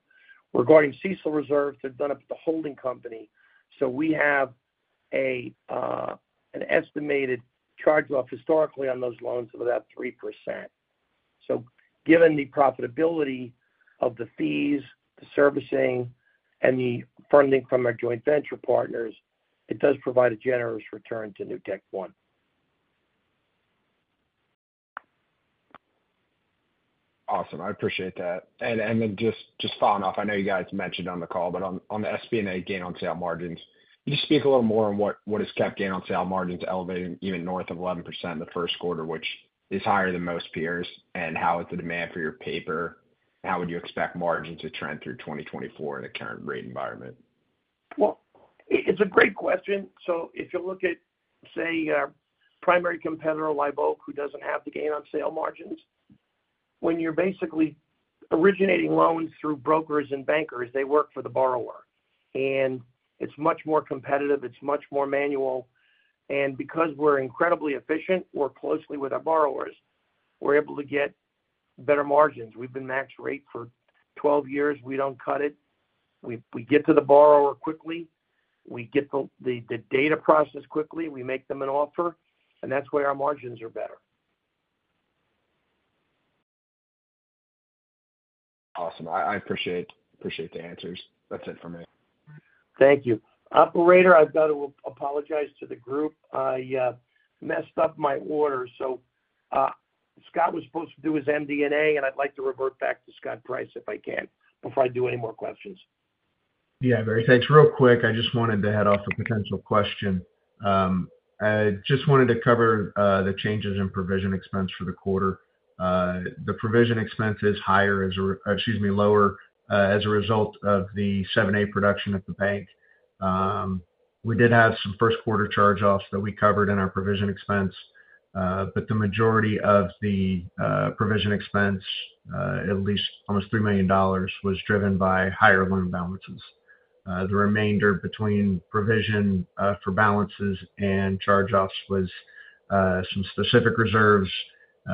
Regarding CECL reserves, they're done at the holding company, so we have an estimated charge-off historically on those loans of about 3%. So given the profitability of the fees, the servicing, and the funding from our joint venture partners, it does provide a generous return to NewtekOne. Awesome. I appreciate that. And then, just following off, I know you guys mentioned on the call, but on the SBA gain on sale margins, can you just speak a little more on what has kept gain on sale margins elevated even north of 11% in the first quarter, which is higher than most peers, and how is the demand for your paper? How would you expect margins to trend through 2024 in the current rate environment? Well, it's a great question. So if you look at, say, our primary competitor, Live Oak, who doesn't have the gain on sale margins, when you're basically originating loans through brokers and bankers, they work for the borrower, and it's much more competitive, it's much more manual. And because we're incredibly efficient, work closely with our borrowers, we're able to get better margins. We've been max rate for 12 years. We don't cut it. We get to the borrower quickly. We get the data processed quickly. We make them an offer, and that's why our margins are better. Awesome. I appreciate the answers. That's it for me. Thank you. Operator, I've got to apologize to the group. I messed up my order, so Scott was supposed to do his MD&A, and I'd like to revert back to Scott Price if I can, before I do any more questions. Yeah, Barry, thanks. Real quick, I just wanted to head off a potential question. I just wanted to cover the changes in provision expense for the quarter. The provision expense is higher, excuse me, lower, as a result of the 7(a) production at the bank. We did have some first quarter charge-offs that we covered in our provision expense, but the majority of the provision expense, at least almost $3 million, was driven by higher loan balances. The remainder between provision for balances and charge-offs was some specific reserves.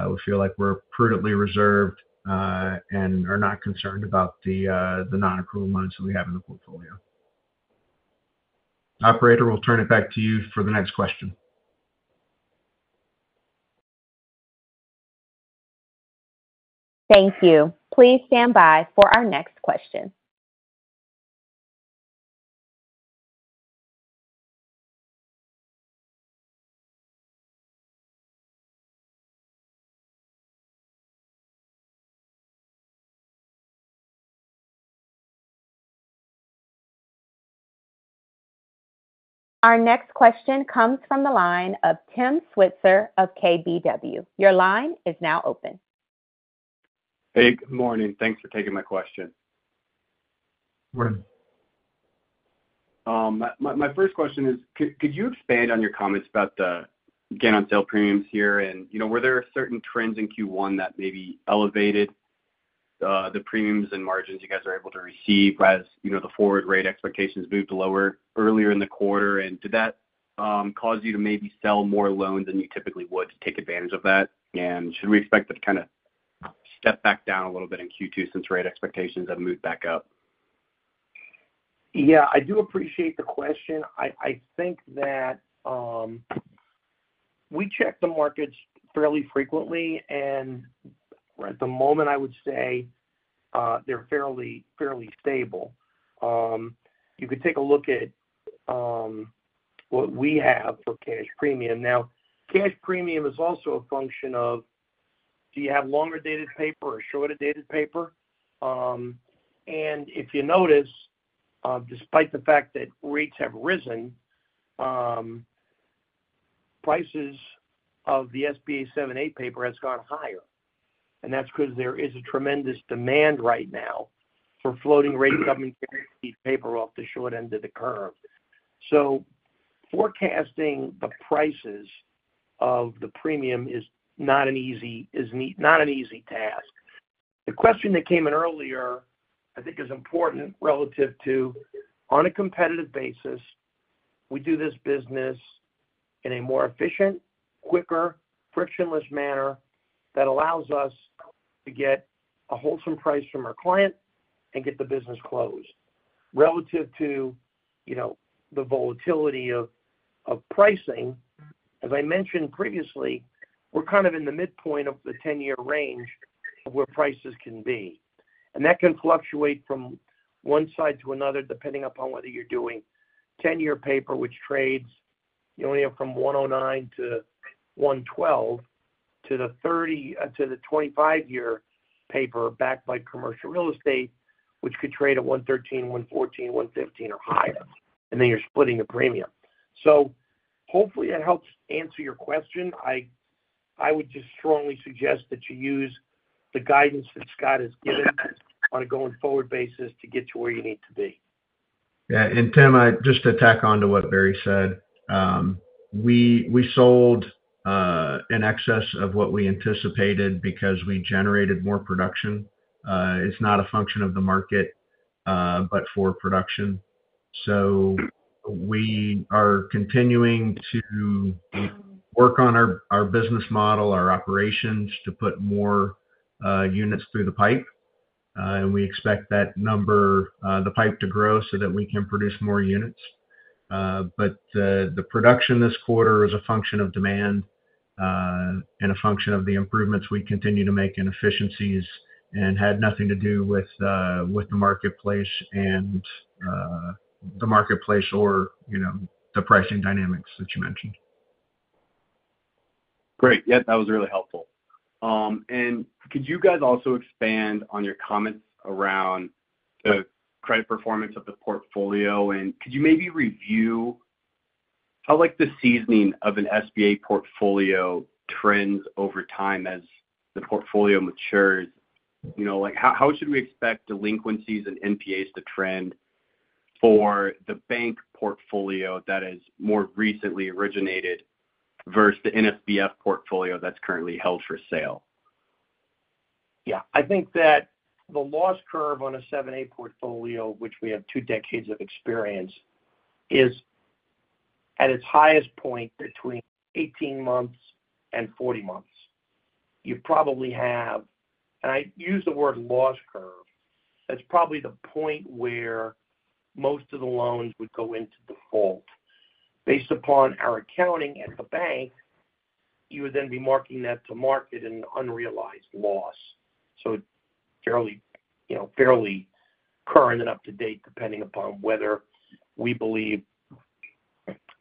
We feel like we're prudently reserved and are not concerned about the non-accrual loans that we have in the portfolio. Operator, we'll turn it back to you for the next question. Thank you. Please stand by for our next question. Our next question comes from the line of Tim Switzer of KBW. Your line is now open. Hey, good morning. Thanks for taking my question. Good morning. My first question is, could you expand on your comments about the gain on sale premiums here? And, you know, were there certain trends in Q1 that maybe elevated the premiums and margins you guys are able to receive as, you know, the forward rate expectations moved lower earlier in the quarter. And did that cause you to maybe sell more loans than you typically would to take advantage of that? And should we expect it to kind of step back down a little bit in Q2 since rate expectations have moved back up? Yeah, I do appreciate the question. I think that we check the markets fairly frequently, and at the moment, I would say they're fairly, fairly stable. You could take a look at what we have for cash premium. Now, cash premium is also a function of, do you have longer-dated paper or shorter-dated paper? And if you notice, despite the fact that rates have risen, prices of the SBA 7(a) paper has gone higher, and that's 'cause there is a tremendous demand right now for floating-rate government paper off the short end of the curve. So forecasting the prices of the premium is not an easy task. The question that came in earlier, I think is important relative to, on a competitive basis, we do this business in a more efficient, quicker, frictionless manner that allows us to get a wholesale price from our client and get the business closed. Relative to, you know, the volatility of pricing, as I mentioned previously, we're kind of in the midpoint of the 10-year range of where prices can be. And that can fluctuate from one side to another, depending upon whether you're doing 10-year paper, which trades, you know, anywhere from 109 to 112, to the 30-year paper backed by commercial real estate, which could trade at 113, 114, 115 or higher, and then you're splitting the premium. So hopefully that helps answer your question. I would just strongly suggest that you use the guidance that Scott has given on a going-forward basis to get to where you need to be. Yeah, and Tim, I just to tack on to what Barry said. We, we sold in excess of what we anticipated because we generated more production. It's not a function of the market, but for production. So we are continuing to work on our, our business model, our operations, to put more units through the pipe. And we expect that number, the pipe to grow so that we can produce more units. But the production this quarter is a function of demand, and a function of the improvements we continue to make in efficiencies and had nothing to do with the marketplace and the marketplace or, you know, the pricing dynamics that you mentioned. Great. Yeah, that was really helpful. And could you guys also expand on your comments around the credit performance of the portfolio? And could you maybe review how, like, the seasoning of an SBA portfolio trends over time as the portfolio matures? You know, like, how should we expect delinquencies and NPAs to trend for the bank portfolio that has more recently originated versus the NSBF portfolio that's currently held for sale? Yeah. I think that the loss curve on a 7(a) portfolio, which we have two decades of experience, is at its highest point between 18 months and 40 months. You probably have, and I use the word loss curve, that's probably the point where most of the loans would go into default. Based upon our accounting at the bank, you would then be marking that to market, an unrealized loss. So fairly, you know, fairly current and up to date, depending upon whether we believe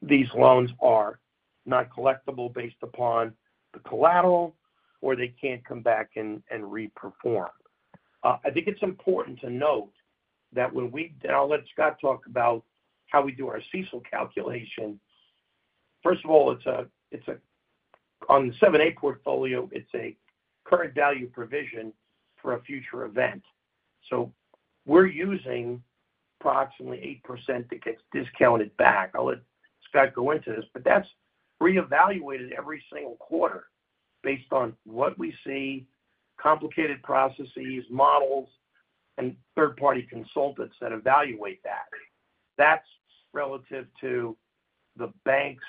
these loans are not collectible based upon the collateral or they can't come back and reperform. I think it's important to note that when we... And I'll let Scott talk about how we do our CECL calculation. First of all, on the 7(a) portfolio, it's a current value provision for a future event. So we're using approximately 8% to get discounted back. I'll let Scott go into this, but that's reevaluated every single quarter based on what we see, complicated processes, models, and third-party consultants that evaluate that. That's relative to the bank's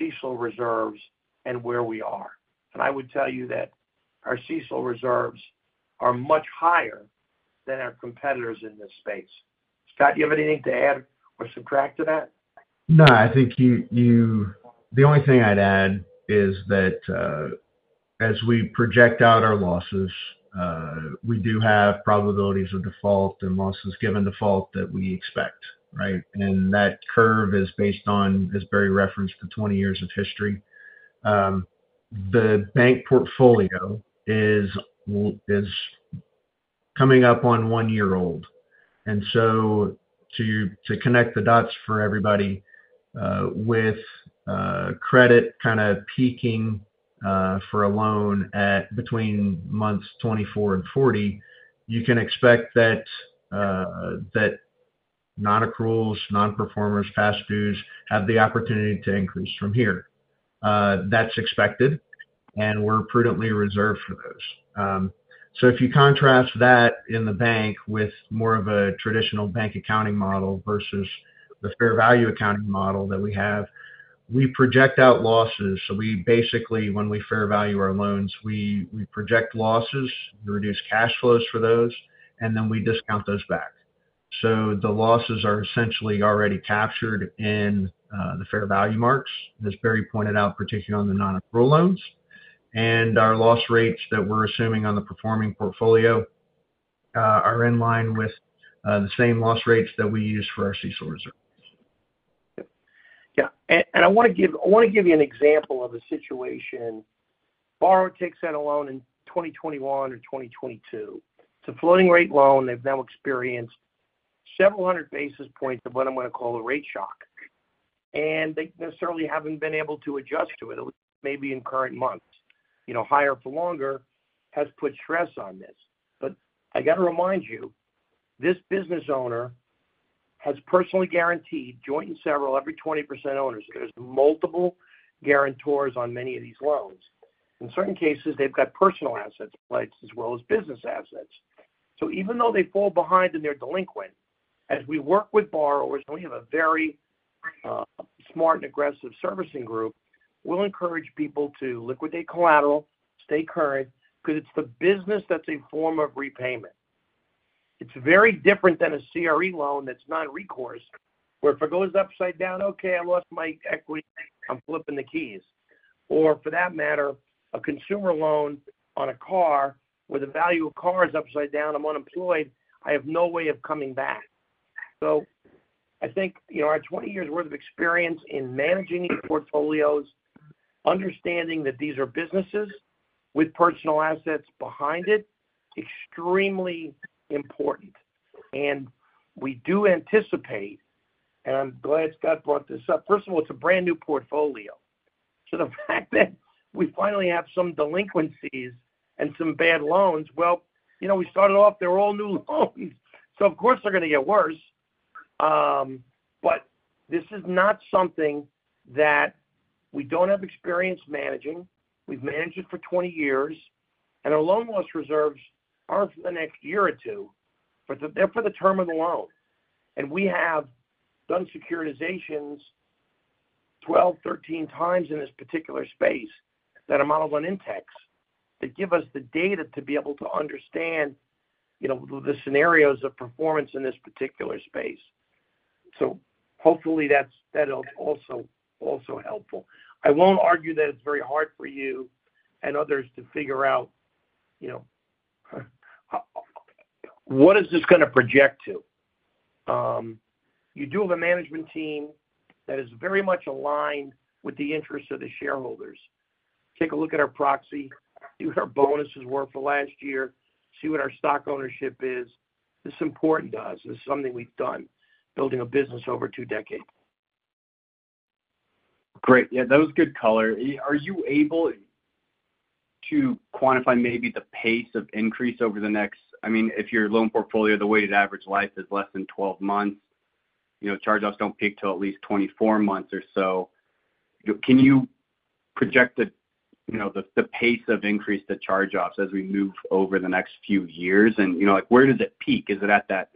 CECL reserves and where we are. I would tell you that our CECL reserves are much higher than our competitors in this space. Scott, do you have anything to add or subtract to that? No, I think you- the only thing I'd add is that, as we project out our losses, we do have probabilities of default and losses given default that we expect, right? And that curve is based on, as Barry referenced, for 20 years of history. The bank portfolio is coming up on 1 year old, and so to connect the dots for everybody, with credit kind of peaking, for a loan at between months 24 and 40, you can expect that non-accruals, non-performers, past dues have the opportunity to increase from here. That's expected, and we're prudently reserved for those. So if you contrast that in the bank with more of a traditional bank accounting model versus the fair value accounting model that we have, we project out losses. So we basically, when we fair value our loans, we project losses, we reduce cash flows for those, and then we discount those back. So the losses are essentially already captured in the fair value marks, as Barry pointed out, particularly on the non-accrual loans. And our loss rates that we're assuming on the performing portfolio are in line with the same loss rates that we use for our CECL reserves. Yeah. I want to give you an example of a situation. Borrower takes out a loan in 2021 or 2022. It's a floating rate loan. They've now experienced several hundred basis points of what I'm gonna call a rate shock. And they necessarily haven't been able to adjust to it, at least maybe in current months. You know, higher for longer has put stress on this. But I got to remind you, this business owner has personally guaranteed joint and several, every 20% owners. There's multiple guarantors on many of these loans. In certain cases, they've got personal assets, like as well as business assets. So even though they fall behind and they're delinquent, as we work with borrowers, and we have a very, smart and aggressive servicing group, we'll encourage people to liquidate collateral, stay current, because it's the business that's a form of repayment. It's very different than a CRE loan that's non-recourse, where if it goes upside down, okay, I lost my equity, I'm flipping the keys. Or for that matter, a consumer loan on a car where the value of car is upside down, I'm unemployed, I have no way of coming back. So I think, you know, our 20 years' worth of experience in managing these portfolios, understanding that these are businesses with personal assets behind it, extremely important. And we do anticipate, and I'm glad Scott brought this up. First of all, it's a brand-new portfolio. So the fact that we finally have some delinquencies and some bad loans, well, you know, we started off, they're all new loans, so of course, they're gonna get worse. But this is not something that we don't have experience managing. We've managed it for 20 years, and our loan loss reserves aren't for the next year or two, but they're for the term of the loan. And we have done securitizations 12, 13 times in this particular space, that are modeled on Intex, that give us the data to be able to understand, you know, the, the scenarios of performance in this particular space. So hopefully that's, that is also, also helpful. I won't argue that it's very hard for you and others to figure out, you know, what is this gonna project to? You do have a management team that is very much aligned with the interests of the shareholders. Take a look at our proxy, see what our bonuses were for last year, see what our stock ownership is. This is important to us. This is something we've done, building a business over two decades. Great. Yeah, that was good color. Are you able to quantify maybe the pace of increase over the next... I mean, if your loan portfolio, the weighted average life is less than 12 months, you know, charge-offs don't peak till at least 24 months or so. Can you project the, you know, the, the pace of increase to charge-offs as we move over the next few years? And, you know, like, where does it peak? Is it at that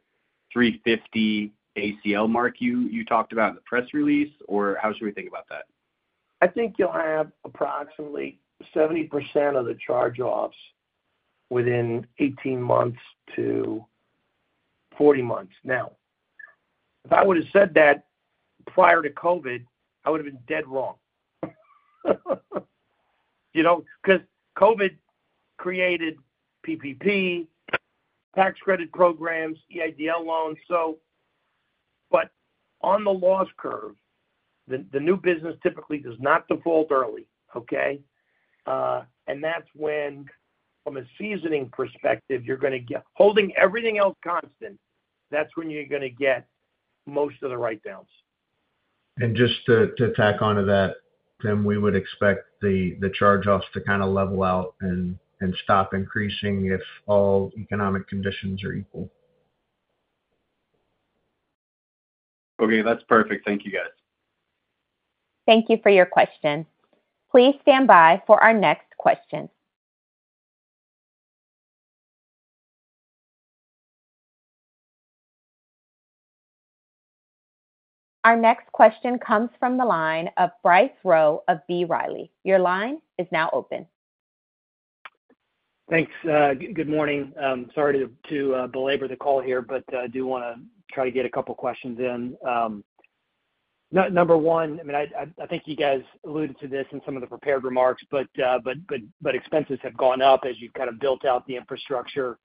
350 ACL mark you, you talked about in the press release, or how should we think about that? I think you'll have approximately 70% of the charge-offs within 18-40 months. Now, if I would have said that prior to COVID, I would have been dead wrong. You know, because COVID created PPP, tax credit programs, EIDL loans, so. But on the loss curve, the new business typically does not default early, okay? And that's when, from a seasoning perspective, you're gonna get holding everything else constant, that's when you're gonna get most of the write downs. And just to tack onto that, Tim, we would expect the charge-offs to kind of level out and stop increasing if all economic conditions are equal. Okay, that's perfect. Thank you, guys. Thank you for your question. Please stand by for our next question. Our next question comes from the line of Bryce Rowe of B. Riley. Your line is now open. Thanks, good morning. Sorry to belabor the call here, but I do want to try to get a couple questions in. Number one, I mean, I think you guys alluded to this in some of the prepared remarks, but expenses have gone up as you've kind of built out the infrastructure.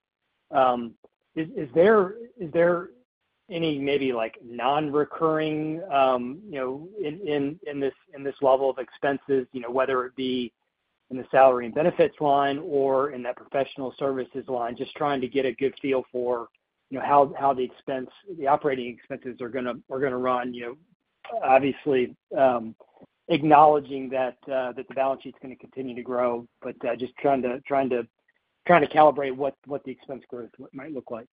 Is there any maybe, like, non-recurring, you know, in this level of expenses, you know, whether it be in the salary and benefits line or in that professional services line? Just trying to get a good feel for, you know, how the expense—the operating expenses are gonna run. You know, obviously, acknowledging that the balance sheet is gonna continue to grow, but just trying to, trying to... Kind of calibrate what, what the expense growth might look like?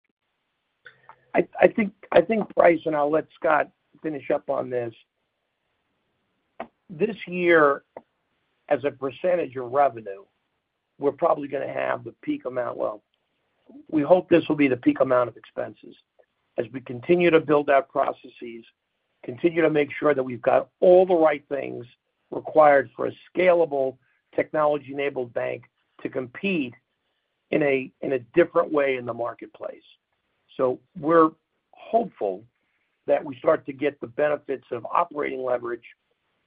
I think, Bryce, and I'll let Scott finish up on this. This year, as a percentage of revenue, we're probably gonna have the peak amount. Well, we hope this will be the peak amount of expenses as we continue to build out processes, continue to make sure that we've got all the right things required for a scalable technology-enabled bank to compete in a different way in the marketplace. So we're hopeful that we start to get the benefits of operating leverage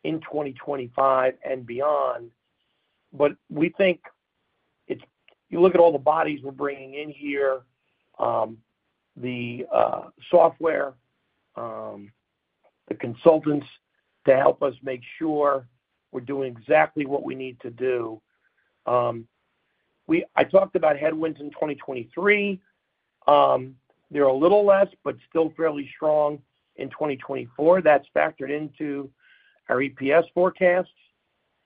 in 2025 and beyond. But we think it's. You look at all the bodies we're bringing in here, the software, the consultants to help us make sure we're doing exactly what we need to do. I talked about headwinds in 2023. They're a little less, but still fairly strong in 2024. That's factored into our EPS forecasts,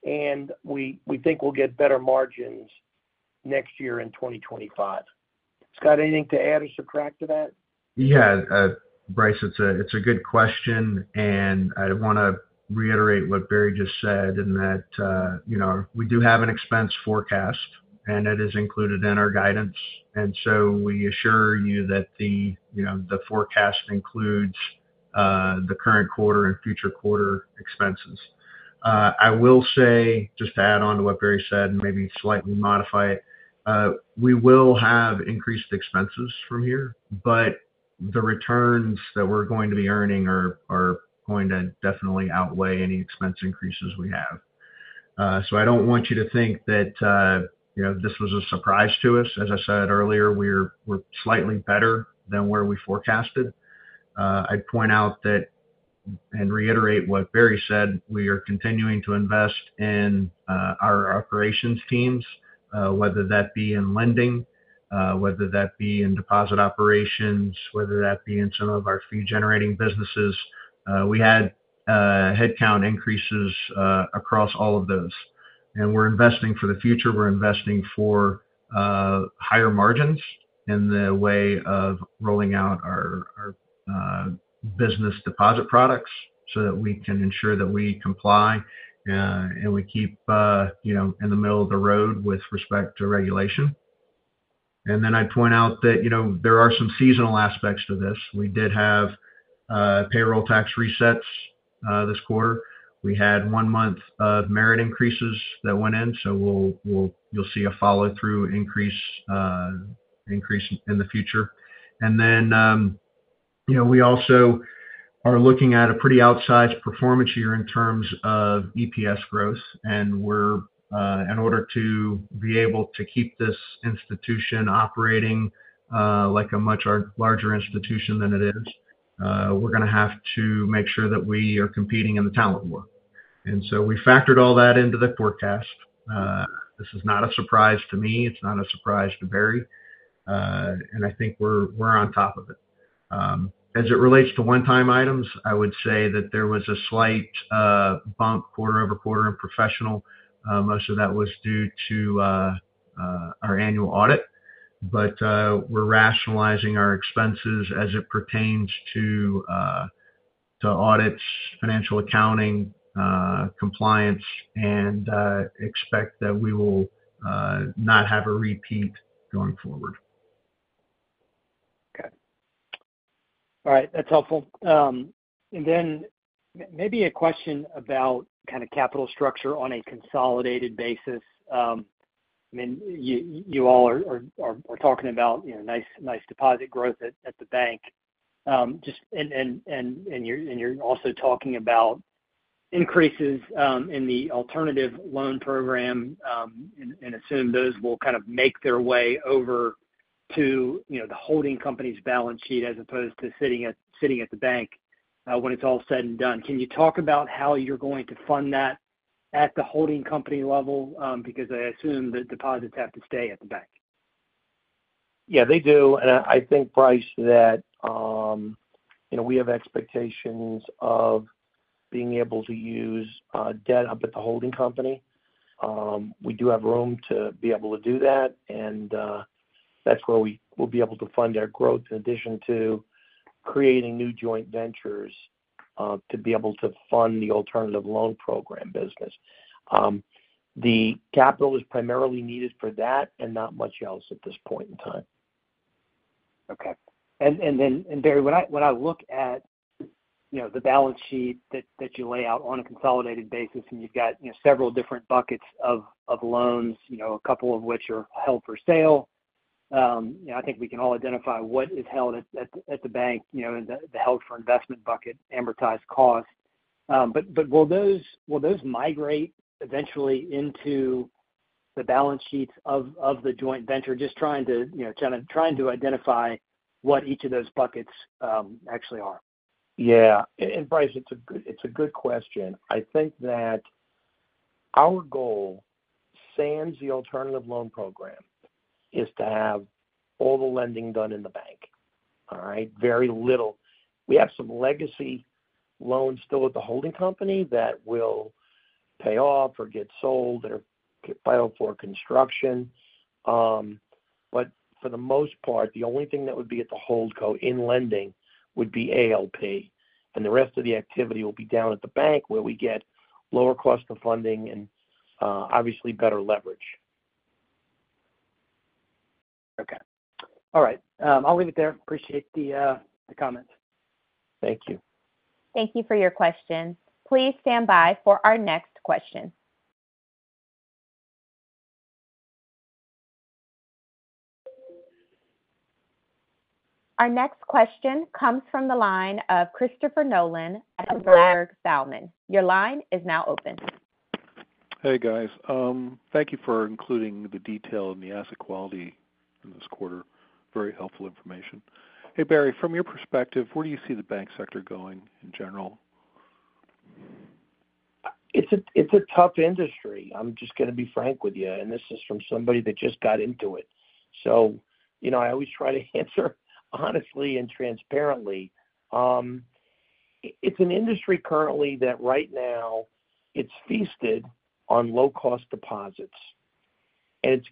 and we think we'll get better margins next year in 2025. Scott, anything to add or subtract to that? Yeah. Bryce, it's a good question, and I want to reiterate what Barry just said in that, you know, we do have an expense forecast, and it is included in our guidance. And so we assure you that the forecast includes the current quarter and future quarter expenses. I will say, just to add on to what Barry said, and maybe slightly modify it, we will have increased expenses from here, but the returns that we're going to be earning are going to definitely outweigh any expense increases we have. So I don't want you to think that, you know, this was a surprise to us. As I said earlier, we're slightly better than where we forecasted. I'd point out that, and reiterate what Barry said, we are continuing to invest in our operations teams, whether that be in lending, whether that be in deposit operations, whether that be in some of our fee-generating businesses. We had headcount increases across all of those. And we're investing for the future. We're investing for higher margins in the way of rolling out our business deposit products, so that we can ensure that we comply and we keep, you know, in the middle of the road with respect to regulation. And then I'd point out that, you know, there are some seasonal aspects to this. We did have payroll tax resets this quarter. We had one month of merit increases that went in, so we'll—you'll see a follow-through increase in the future. Then, you know, we also are looking at a pretty outsized performance year in terms of EPS growth, and we're in order to be able to keep this institution operating like a much larger institution than it is, we're gonna have to make sure that we are competing in the talent war. So we factored all that into the forecast. This is not a surprise to me. It's not a surprise to Barry. I think we're on top of it. As it relates to one-time items, I would say that there was a slight bump quarter-over-quarter in professional. Most of that was due to our annual audit. But, we're rationalizing our expenses as it pertains to audits, financial accounting, compliance, and expect that we will not have a repeat going forward. Okay. All right, that's helpful. And then maybe a question about kind of capital structure on a consolidated basis. I mean, you all are talking about, you know, nice deposit growth at the bank. Just and you're also talking about increases in the Alternative Loan Program, and assume those will kind of make their way over to, you know, the holding company's balance sheet as opposed to sitting at the bank when it's all said and done. Can you talk about how you're going to fund that at the holding company level? Because I assume the deposits have to stay at the bank. Yeah, they do. And I, I think, Bryce, that, you know, we have expectations of being able to use debt up at the holding company. We do have room to be able to do that, and, that's where we will be able to fund our growth, in addition to creating new joint ventures, to be able to fund the Alternative Loan Program business. The capital is primarily needed for that and not much else at this point in time. Okay. And then, Barry, when I look at, you know, the balance sheet that you lay out on a consolidated basis, and you've got, you know, several different buckets of loans, you know, a couple of which are held for sale, you know, I think we can all identify what is held at the bank, you know, in the held for investment bucket, amortized cost. But will those migrate eventually into the balance sheets of the joint venture? Just trying to, you know, kind of identify what each of those buckets actually are. Yeah. And, and Bryce, it's a good, it's a good question. I think that our goal, sans the alternative loan program, is to have all the lending done in the bank.... All right, very little. We have some legacy loans still at the holding company that will pay off or get sold or get filed for construction. But for the most part, the only thing that would be at the hold co in lending would be ALP, and the rest of the activity will be down at the bank, where we get lower cost of funding and, obviously, better leverage. Okay. All right, I'll leave it there. Appreciate the comments. Thank you. Thank you for your question. Please stand by for our next question. Our next question comes from the line of Christopher Nolan at Ladenburg Thalmann. Your line is now open. Hey, guys. Thank you for including the detail and the asset quality in this quarter. Very helpful information. Hey, Barry, from your perspective, where do you see the bank sector going in general? It's a tough industry. I'm just gonna be frank with you, and this is from somebody that just got into it. So, you know, I always try to answer honestly and transparently. It's an industry currently that right now it's feasted on low-cost deposits. It's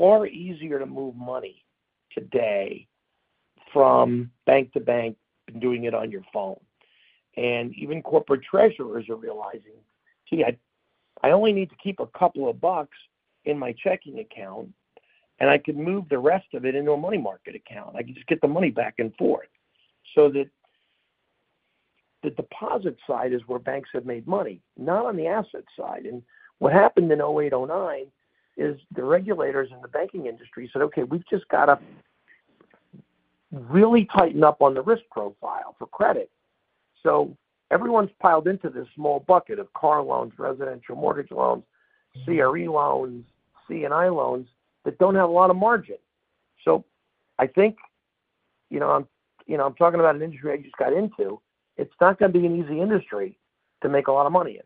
far easier to move money today from bank to bank and doing it on your phone. And even corporate treasurers are realizing, gee, I only need to keep a couple of bucks in my checking account, and I can move the rest of it into a money market account. I can just get the money back and forth. So the deposit side is where banks have made money, not on the asset side. And what happened in 2008, 2009 is the regulators in the banking industry said, "Okay, we've just got to really tighten up on the risk profile for credit." So everyone's piled into this small bucket of car loans, residential mortgage loans, CRE loans, C&I loans that don't have a lot of margin. So I think, you know, I'm, you know, I'm talking about an industry I just got into. It's not gonna be an easy industry to make a lot of money in.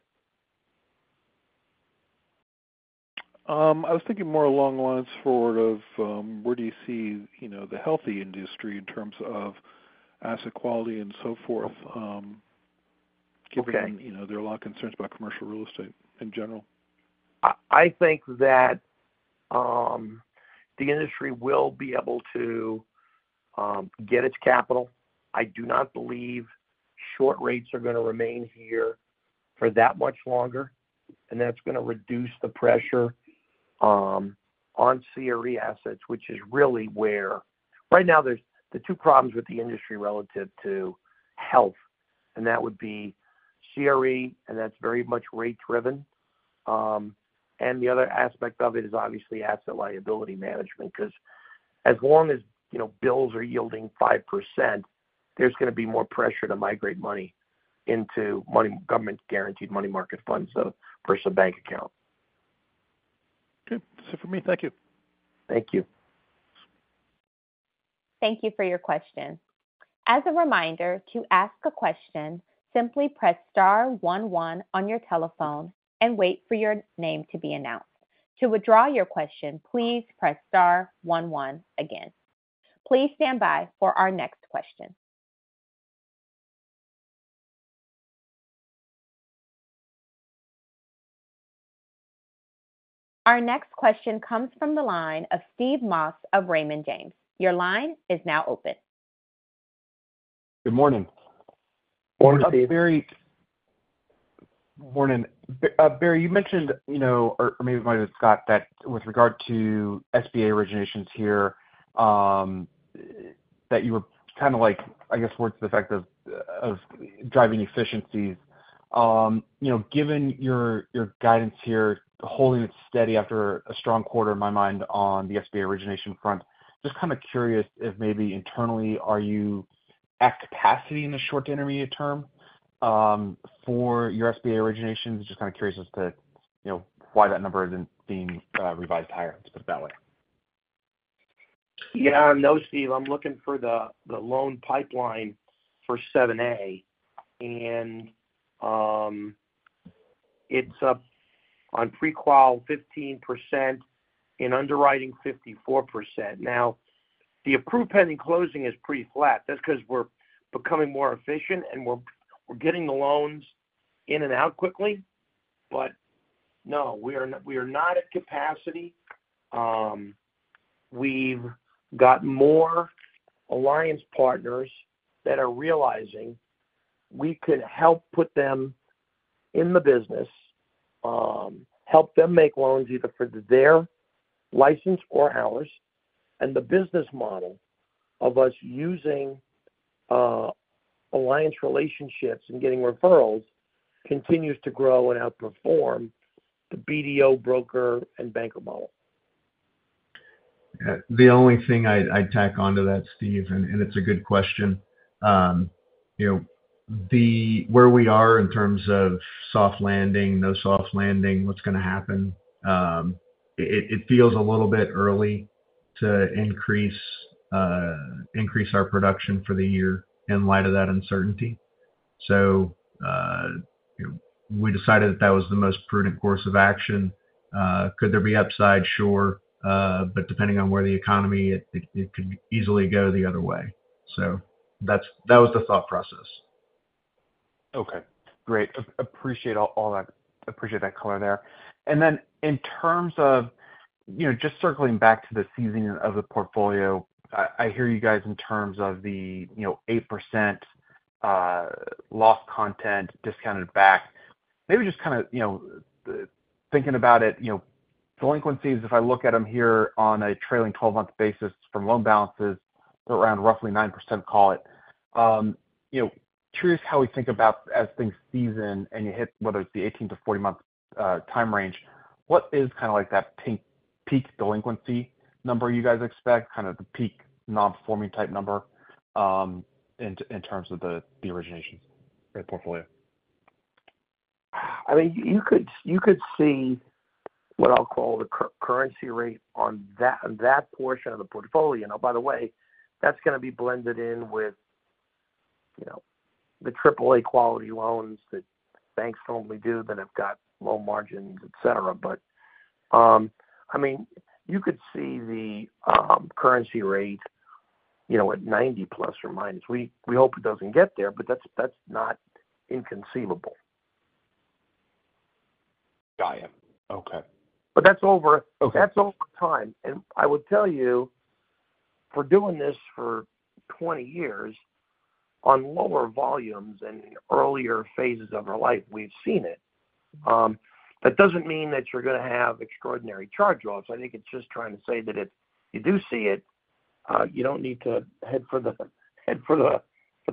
I was thinking more along the lines for sort of, where do you see, you know, the healthy industry in terms of asset quality and so forth? Okay. given, you know, there are a lot of concerns about commercial real estate in general. I think that the industry will be able to get its capital. I do not believe short rates are gonna remain here for that much longer, and that's gonna reduce the pressure on CRE assets, which is really where... Right now, there's the two problems with the industry relative to health, and that would be CRE, and that's very much rate-driven. And the other aspect of it is obviously asset liability management, 'cause as long as, you know, bills are yielding 5%, there's gonna be more pressure to migrate money into money government-guaranteed money market funds, so personal bank account. Good. That's it for me. Thank you. Thank you. Thank you for your question. As a reminder, to ask a question, simply press star one one on your telephone and wait for your name to be announced. To withdraw your question, please press star one one again. Please stand by for our next question. Our next question comes from the line of Steve Moss of Raymond James. Your line is now open. Good morning. Morning, Steve. Barry. Morning. Barry, you mentioned, you know, or maybe it might have been Scott, that with regard to SBA originations here, that you were kind of like, I guess, towards the fact of driving efficiencies. You know, given your guidance here, holding it steady after a strong quarter, in my mind, on the SBA origination front, just kind of curious if maybe internally, are you at capacity in the short to intermediate term, for your SBA originations? Just kind of curious as to, you know, why that number isn't being revised higher, let's put it that way. Yeah, no, Steve, I'm looking for the loan pipeline for 7(a), and it's up on pre-qual 15%, in underwriting, 54%. Now, the approved pending closing is pretty flat. That's 'cause we're becoming more efficient, and we're getting the loans in and out quickly. But no, we are not at capacity. We've got more alliance partners that are realizing we could help put them in the business, help them make loans, either for their license or ours, and the business model of us using alliance relationships and getting referrals continues to grow and outperform the BDO broker and banker model. The only thing I'd tack onto that, Steve, and it's a good question. You know, where we are in terms of soft landing, no soft landing, what's gonna happen, it feels a little bit early to increase our production for the year in light of that uncertainty. So, we decided that that was the most prudent course of action. Could there be upside? Sure. But depending on where the economy, it could easily go the other way. So that's that was the thought process. Okay, great. Appreciate that color there. And then in terms of, you know, just circling back to the seasoning of the portfolio, I hear you guys in terms of the, you know, 8% loss content discounted back. Maybe just kind of, you know, thinking about it, you know, delinquencies, if I look at them here on a trailing 12-month basis from loan balances, around roughly 9%, call it. You know, curious how we think about as things season and you hit whether it's the 18-40-month time range, what is kind of like that peak delinquency number you guys expect, kind of the peak nonperforming type number, in terms of the origination in the portfolio? I mean, you could see what I'll call the cure rate on that portion of the portfolio. Now, by the way, that's gonna be blended in with, you know, the triple A quality loans that banks normally do that have got low margins, et cetera. But, I mean, you could see the cure rate, you know, at 90 plus or minus. We hope it doesn't get there, but that's not inconceivable. Got you. Okay. But that's over- Okay. That's over time. I would tell you, we're doing this for 20 years on lower volumes and earlier phases of our life, we've seen it. That doesn't mean that you're gonna have extraordinary charge-offs. I think it's just trying to say that if you do see it, you don't need to head for the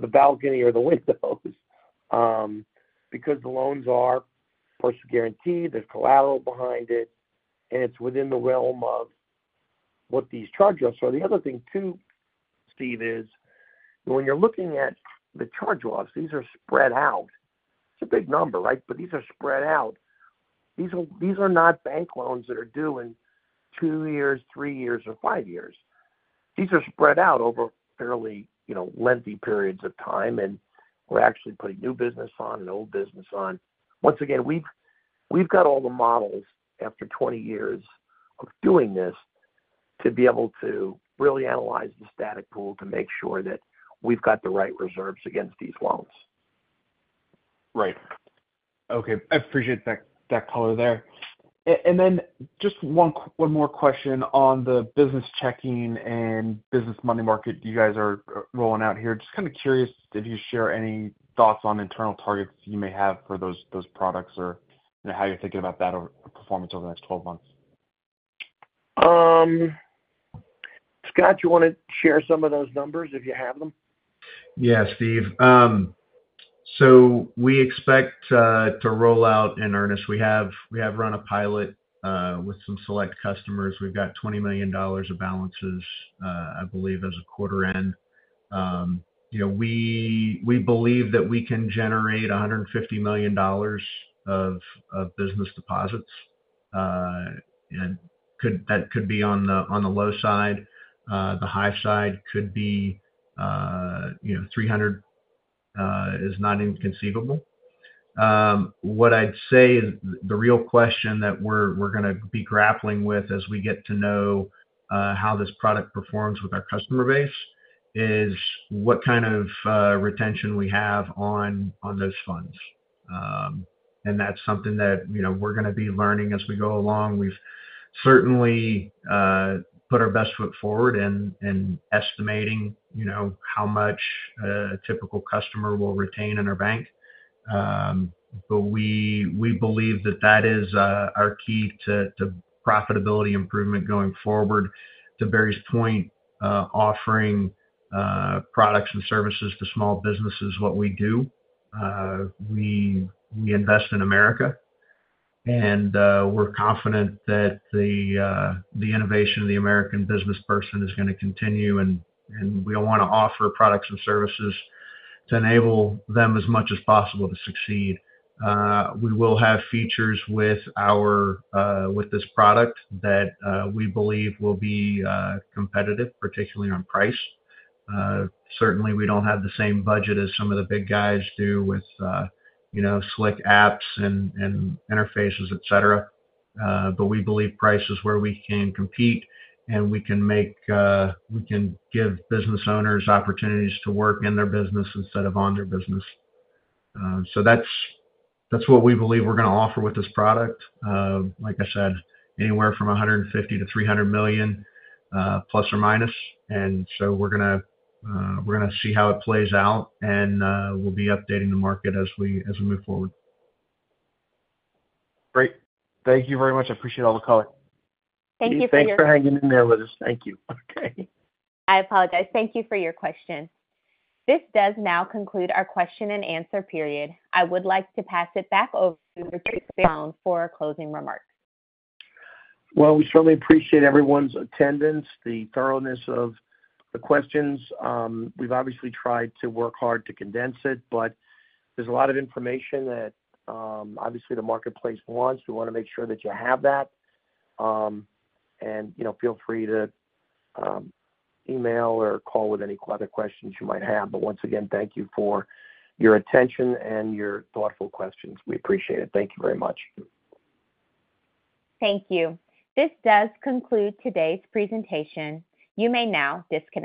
balcony or the windows, because the loans are personal guarantee, there's collateral behind it, and it's within the realm of what these charge-offs are. The other thing too, Steve, is when you're looking at the charge-offs, these are spread out. It's a big number, right? But these are spread out. These are not bank loans that are due in 2 years, 3 years, or 5 years. These are spread out over fairly, you know, lengthy periods of time, and we're actually putting new business on and old business on. Once again, we've got all the models after 20 years of doing this, to be able to really analyze the static pool to make sure that we've got the right reserves against these loans. Right. Okay, I appreciate that, that color there. And then just one more question on the business checking and business money market you guys are rolling out here. Just kind of curious if you share any thoughts on internal targets you may have for those, those products or, you know, how you're thinking about that over performance over the next 12 months. Scott, you wanna share some of those numbers if you have them? Yeah, Steve. So we expect to roll out in earnest. We have run a pilot with some select customers. We've got $20 million of balances, I believe, as a quarter end. You know, we believe that we can generate $150 million of business deposits. And that could be on the low side. The high side could be, you know, $300 million is not inconceivable. What I'd say is the real question that we're gonna be grappling with as we get to know how this product performs with our customer base, is what kind of retention we have on those funds. And that's something that, you know, we're gonna be learning as we go along. We've certainly put our best foot forward in, in estimating, you know, how much a typical customer will retain in our bank. But we believe that that is our key to profitability improvement going forward. To Barry's point, offering products and services to small business is what we do. We invest in America, and we're confident that the innovation of the American businessperson is gonna continue, and we wanna offer products and services to enable them as much as possible to succeed. We will have features with our with this product that we believe will be competitive, particularly on price. Certainly, we don't have the same budget as some of the big guys do with, you know, slick apps and interfaces, et cetera. We believe price is where we can compete, and we can make, we can give business owners opportunities to work in their business instead of on their business. That's what we believe we're gonna offer with this product. Like I said, anywhere from $150 million-$300 million, plus or minus. We're gonna see how it plays out, and we'll be updating the market as we move forward. Great. Thank you very much. I appreciate all the color. Thank you for your- Thanks for hanging in there with us. Thank you. Okay. I apologize. Thank you for your question. This does now conclude our question-and-answer period. I would like to pass it back over to Barry Sloane for our closing remarks. Well, we certainly appreciate everyone's attendance, the thoroughness of the questions. We've obviously tried to work hard to condense it, but there's a lot of information that, obviously, the marketplace wants. We wanna make sure that you have that. And, you know, feel free to email or call with any other questions you might have. But once again, thank you for your attention and your thoughtful questions. We appreciate it. Thank you very much. Thank you. This does conclude today's presentation. You may now disconnect.